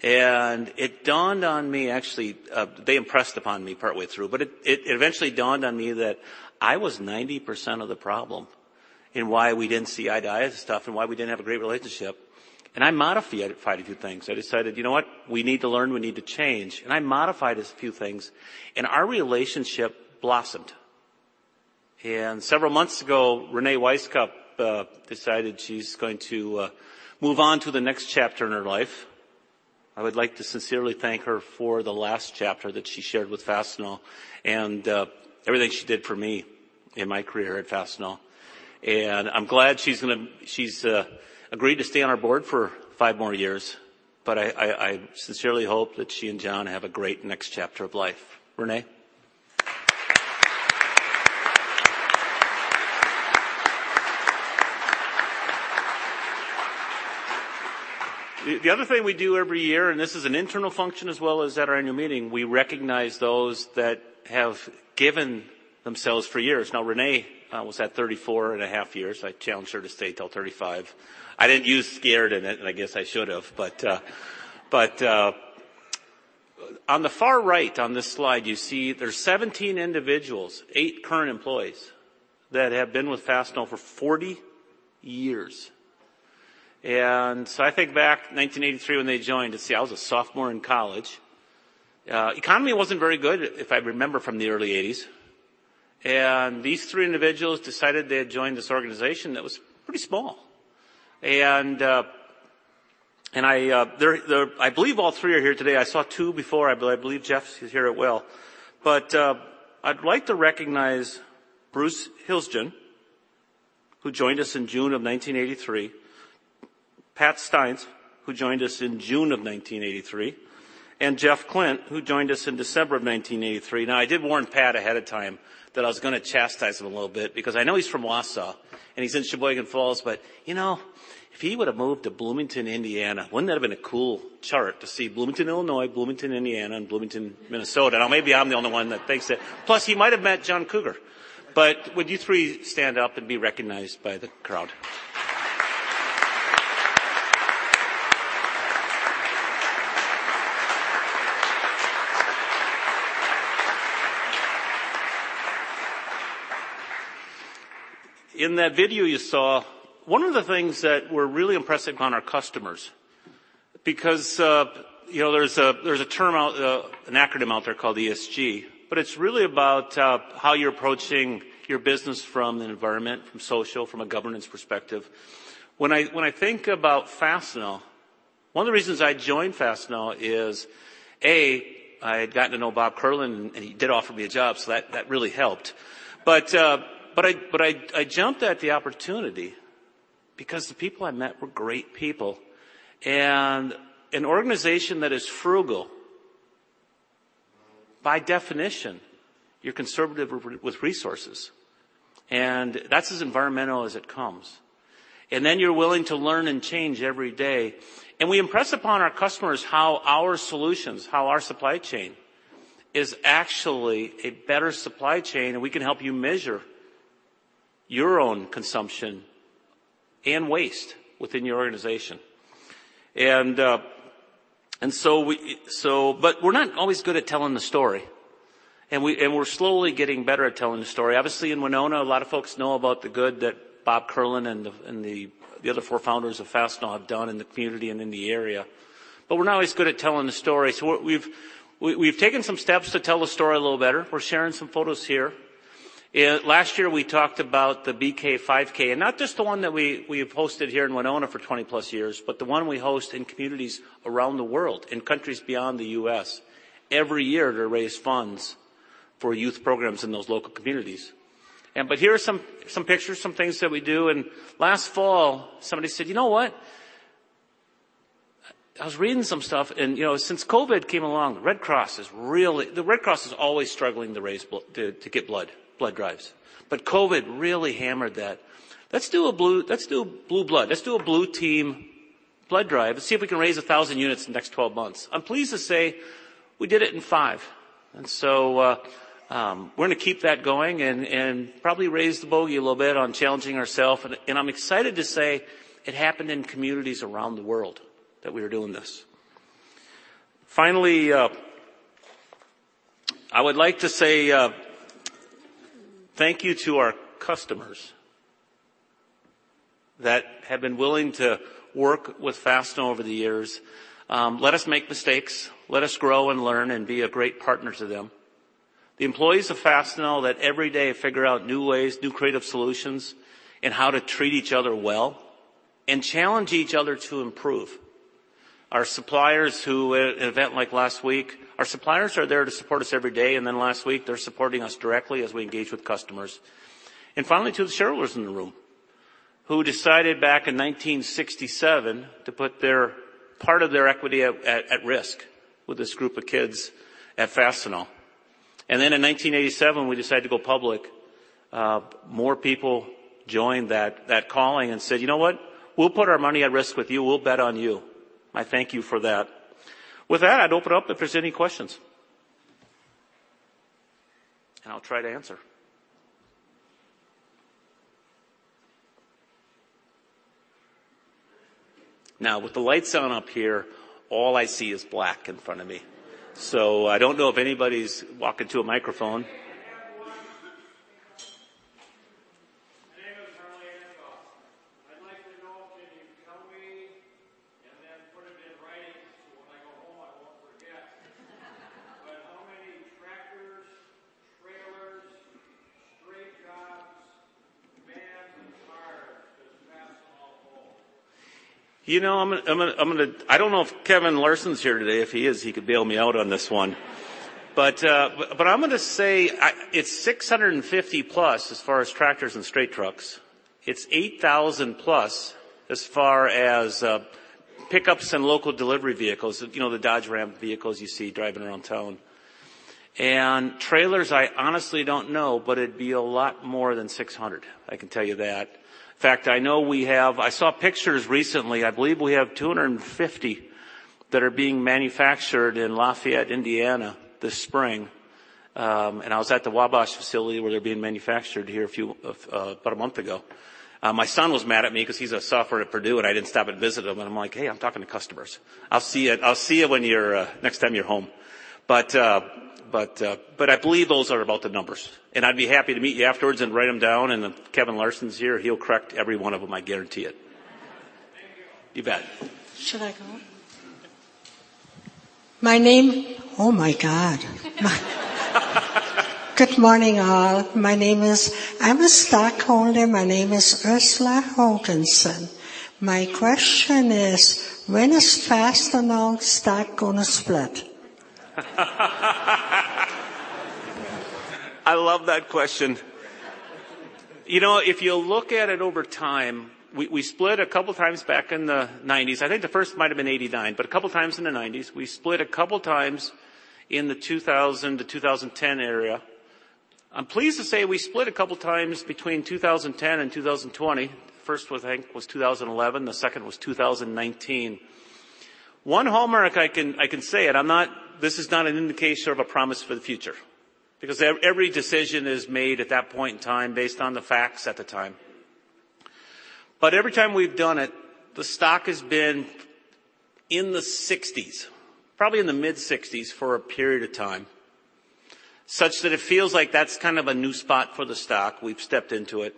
It dawned on me, actually, they impressed upon me partway through, but it eventually dawned on me that I was 90% of the problem in why we didn't see eye to eye on stuff and why we didn't have a great relationship, and I modified a few things. I decided, "You know what? We need to learn. We need to change." I modified a few things, and our relationship blossomed. Several months ago, Reyne K. Wisecup decided she's going to move on to the next chapter in her life. I would like to sincerely thank her for the last chapter that she shared with Fastenal and everything she did for me in my career at Fastenal. I'm glad she's agreed to stay on our board for five more years, but I sincerely hope that she and John have a great next chapter of life. Renee. The other thing we do every year, and this is an internal function as well as at our annual meeting, we recognize those that have given themselves for years. Now, Renee was at 34 and a half years. I challenged her to stay till 35. I didn't use scared in it, and I guess I should have. On the far right on this slide, you see there's 17 individuals, 8 current employees that have been with Fastenal for 40 years. I think back 1983 when they joined, let's see, I was a sophomore in college. Economy wasn't very good, if I remember from the early 80s, these three individuals decided they'd join this organization that was pretty small. I believe all three are here today. I saw two before. I believe Jeff is here as well. I'd like to recognize Bruce Hilsgen, who joined us in June of 1983, Patrick Steins, who joined us in June of 1983, and Jeffery L. Cleveland, who joined us in December of 1983. I did warn Pat ahead of time that I was gonna chastise him a little bit because I know he's from Wausau, and he's in Sheboygan Falls. You know, if he would've moved to Bloomington, Indiana, wouldn't that have been a cool chart to see Bloomington, Illinois, Bloomington, Indiana, and Bloomington, Minnesota? Maybe I'm the only one that thinks that. He might have met John Cougar. Would you three stand up and be recognized by the crowd? In that video you saw, one of the things that we're really impressing upon our customers because, you know, there's a term out, an acronym out there called ESG, it's really about how you're approaching your business from an environment, from social, from a governance perspective. When I think about Fastenal, one of the reasons I joined Fastenal is, A, I had gotten to know Bob Kierlin, he did offer me a job, that really helped. I jumped at the opportunity because the people I met were great people. An organization that is frugal, by definition, you're conservative with resources, and that's as environmental as it comes. You're willing to learn and change every day. We impress upon our customers how our solutions, how our supply chain is actually a better supply chain, and we can help you measure your own consumption and waste within your organization. We're not always good at telling the story, and we're slowly getting better at telling the story. Obviously, in Winona, a lot of folks know about the good that Bob Kierlin and the other four founders of Fastenal have done in the community and in the area. We're not always good at telling the story. We've taken some steps to tell the story a little better. We're sharing some photos here. Last year, we talked about the BK5K, and not just the one that we have hosted here in Winona for 20-plus years, but the one we host in communities around the world, in countries beyond the U.S. every year to raise funds for youth programs in those local communities. Here are some pictures, some things that we do. Last fall, somebody said, "You know what? I was reading some stuff, and, you know, since COVID came along, The Red Cross is always struggling to get blood drives. COVID really hammered that. Let's do blue blood. Let's do a Blue Team blood drive and see if we can raise 1,000 units in the next 12 months." I'm pleased to say we did it in five. we're gonna keep that going and probably raise the bogey a little bit on challenging ourself. I'm excited to say it happened in communities around the world that we were doing this. Finally, I would like to say thank you to our customers that have been willing to work with Fastenal over the years, let us make mistakes, let us grow and learn, and be a great partner to them. The employees of Fastenal that every day figure out new ways, new creative solutions, and how to treat each other well and challenge each other to improve. Our suppliers who, at an event like last week, our suppliers are there to support us every day, and then last week, they're supporting us directly as we engage with customers. Finally, to the shareholders in the room, who decided back in 1967 to put their part of their equity at risk with this group of kids at Fastenal. Then in 1987, we decided to go public. More people joined that calling and said, "You know what? We'll put our money at risk with you. We'll bet on you." I thank you for that. With that, I'd open up if there's any questions. I'll try to answer. Now, with the lights on up here, all I see is black in front of me. I don't know if anybody's walking to a microphone. I have one. My name is Charlie Ankov. I'd like to know if you can tell me, and then put it in writing so when I go home, I won't forget. How many tractors, trailers, straight trucks, vans, and cars does Fastenal own? You know, I'm gonna I don't know if Kevin Larson's here today. If he is, he could bail me out on this one. I'm gonna say it's 650 plus as far as tractors and straight trucks. It's 8,000 plus as far as pickups and local delivery vehicles, you know, the Dodge Ram vehicles you see driving around town. Trailers, I honestly don't know, but it'd be a lot more than 600, I can tell you that. In fact, I know we have I saw pictures recently. I believe we have 250 that are being manufactured in Lafayette, Indiana, this spring. I was at the Wabash facility where they're being manufactured here a few about a month ago. My son was mad at me 'cause he's a sophomore at Purdue, I didn't stop and visit him. I'm like, "Hey, I'm talking to customers. I'll see ya, I'll see you when you're next time you're home." But I believe those are about the numbers. I'd be happy to meet you afterwards and write them down. If Kevin Larson's here, he'll correct every one of them, I guarantee it. Thank you. You bet. Should I go? Oh, my God. Good morning, all. I'm a stockholder. My name is Ursula Hogensen. My question is, when is Fastenal stock gonna split? I love that question. You know, if you look at it over time, we split two times back in the 90s. I think the first might've been 89, but two times in the 90s. We split two times in the 2000-2010 area. I'm pleased to say we split two times between 2010 and 2020. First was, I think, was 2011, the second was 2019. One hallmark I can say, and I'm not. This is not an indication of a promise for the future. Because every decision is made at that point in time based on the facts at the time. Every time we've done it, the stock has been in the 60s, probably in the mid-60s for a period of time, such that it feels like that's kind of a new spot for the stock. We've stepped into it.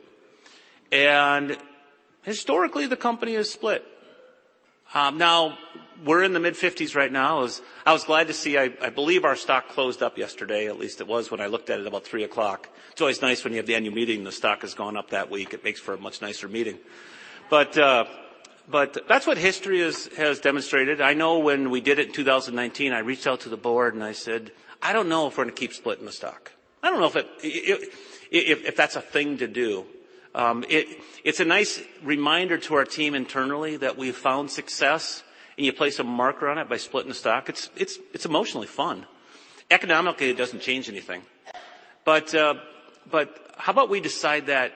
Historically, the company has split. Now we're in the mid-50s right now. I was glad to see, I believe our stock closed up yesterday. At least it was when I looked at it about 3:00PM. It's always nice when you have the annual meeting, the stock has gone up that week. It makes for a much nicer meeting. That's what history has demonstrated. I know when we did it in 2019, I reached out to the board and I said, "I don't know if we're gonna keep splitting the stock. I don't know if that's a thing to do. It's a nice reminder to our team internally that we found success, you place a marker on it by splitting the stock. It's emotionally fun. Economically, it doesn't change anything. How about we decide that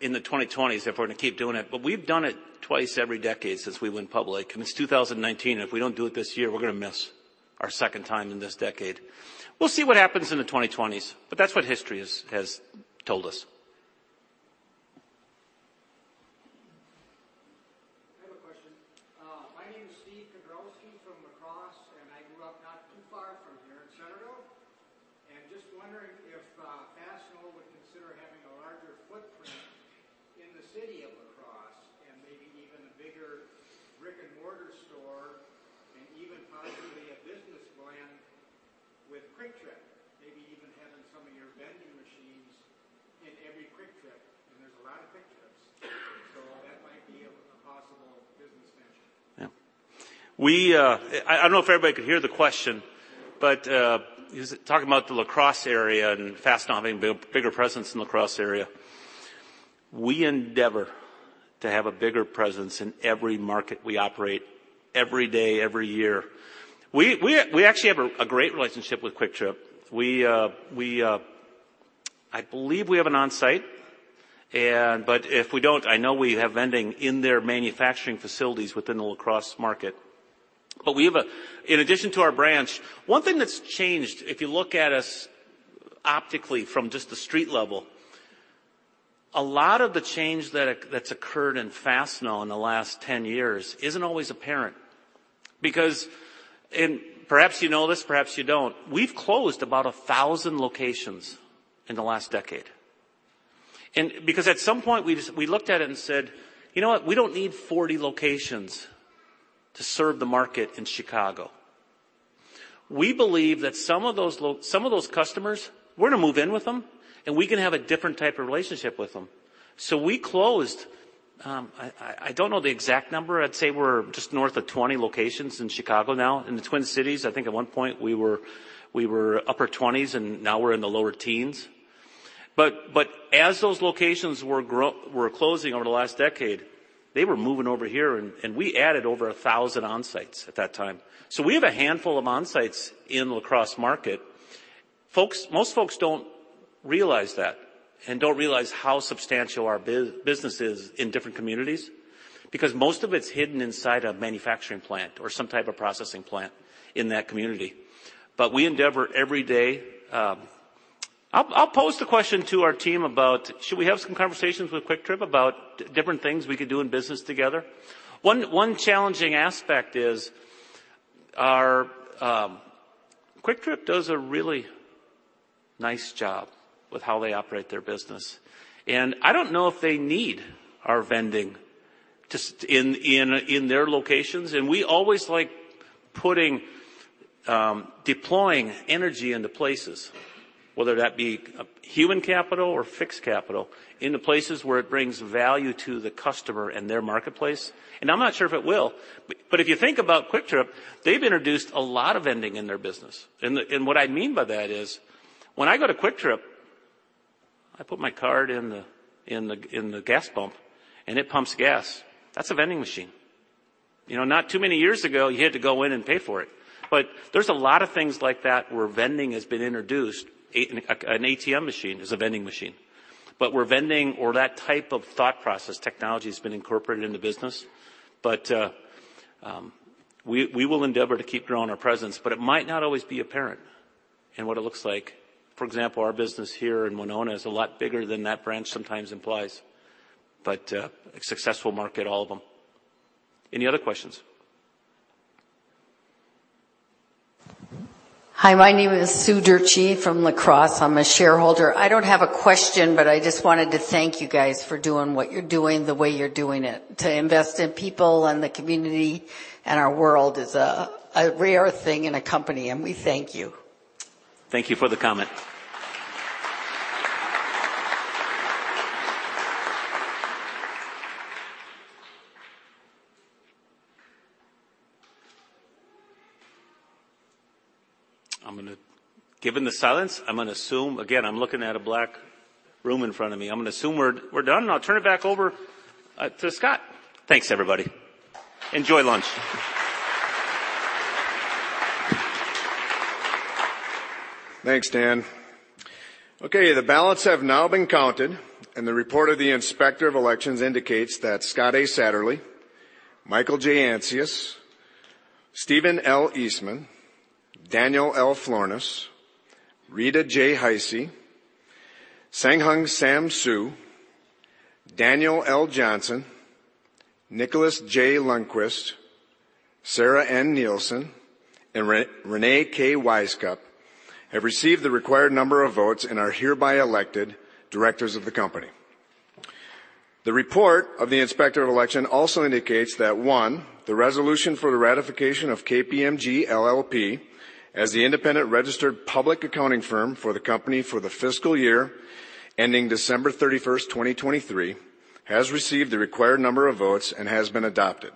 in the 2020s if we're gonna keep doing it, we've done it twice every decade since we went public, it's 2019, if we don't do it this year, we're gonna miss our second time in this decade. We'll see what happens in the 2020s, that's what history has told us. I have a question. My name is Steve Kondrowski from La Crosse, and I grew up not too far from here in Centerville. Just wondering if Fastenal would consider having a larger footprint in the city of La Crosse and maybe even a bigger brick-and-mortar store and even possibly a business plan with Kwik Trip, maybe even having some of your vending machines in every Kwik Trip. There's a lot of Kwik Trips, so that might be a possible business venture. Yeah. We I don't know if everybody could hear the question, but he's talking about the La Crosse area and Fastenal having a bigger presence in La Crosse area. We endeavor to have a bigger presence in every market we operate every day, every year. We actually have a great relationship with Kwik Trip. We I believe we have an Onsite and but if we don't, I know we have vending in their manufacturing facilities within the La Crosse market. We have In addition to our branch, one thing that's changed, if you look at us optically from just the street level, a lot of the change that's occurred in Fastenal in the last 10-years isn't always apparent because perhaps you know this, perhaps you don't. We've closed about 1,000 locations in the last decade. Because at some point, we looked at it and said, "You know what? We don't need 40 locations to serve the market in Chicago." We believe that some of those customers, we're gonna move in with them, and we can have a different type of relationship with them. We closed, I don't know the exact number. I'd say we're just north of 20 locations in Chicago now. In the Twin Cities, I think at one point we were upper 20s, and now we're in the lower 10s. As those locations were closing over the last decade, they were moving over here, we added over 1,000 Onsite at that time. We have a handful of Onsite in La Crosse market. Folks, most folks don't realize that and don't realize how substantial our business is in different communities because most of it's hidden inside a manufacturing plant or some type of processing plant in that community. We endeavor every day, I'll pose the question to our team about should we have some conversations with Kwik Trip about different things we could do in business together. One challenging aspect is our Kwik Trip does a really nice job with how they operate their business. I don't know if they need our vending just in their locations, and we always like putting deploying energy into places, whether that be human capital or fixed capital, into places where it brings value to the customer and their marketplace, and I'm not sure if it will. But if you think about Kwik Trip, they've introduced a lot of vending in their business. What I mean by that is when I go to Kwik Trip, I put my card in the, in the, in the gas pump, and it pumps gas. That's a vending machine. You know, not too many years ago, you had to go in and pay for it. There's a lot of things like that where vending has been introduced. An ATM machine is a vending machine. Where vending or that type of thought process technology has been incorporated in the business. We will endeavor to keep growing our presence, but it might not always be apparent in what it looks like. For example, our business here in Winona is a lot bigger than that branch sometimes implies. A successful market, all of them. Any other questions? Hi, my name is Sue Durchee from La Crosse. I'm a shareholder. I don't have a question, but I just wanted to thank you guys for doing what you're doing the way you're doing it. To invest in people and the community and our world is a rare thing in a company. We thank you. Thank you for the comment. Given the silence. Again, I'm looking at a black room in front of me. I'm gonna assume we're done, and I'll turn it back over to Scott. Thanks, everybody. Enjoy lunch. Thanks, Dan. Okay, the ballots have now been counted. The report of the Inspector of Elections indicates that Scott A. Satterlee, Michael J. Ancius, Stephen L. Eastman, Daniel L. Florness, Rita J. Heise, Hsenghung Sam Hsu, Daniel L. Johnson, Nicholas J. Lundquist, Sarah N. Nielsen, and Renee K. Wisecup have received the required number of votes and are hereby elected directors of the company. The report of the Inspector of Election also indicates that, one, the resolution for the ratification of KPMG LLP as the independent registered public accounting firm for the company for the fiscal year ending December 31st, 2023, has received the required number of votes and has been adopted.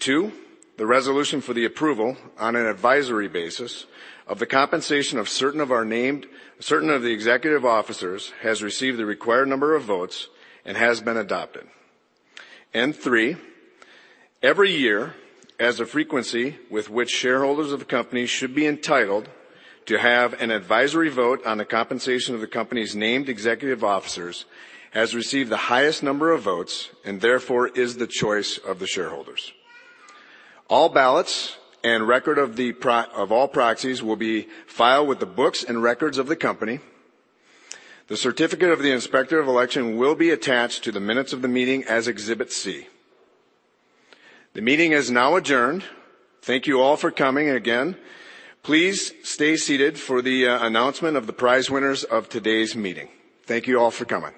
Two, the resolution for the approval on an advisory basis of the compensation of certain of the executive officers, has received the required number of votes and has been adopted. Three, every year as a frequency with which shareholders of the company should be entitled to have an advisory vote on the compensation of the company's named executive officers, has received the highest number of votes and therefore is the choice of the shareholders. All ballots and record of all proxies will be filed with the books and records of the company. The certificate of the Inspector of Election will be attached to the minutes of the meeting as Exhibit C. The meeting is now adjourned. Thank you all for coming again. Please stay seated for the announcement of the prize winners of today's meeting. Thank you all for coming.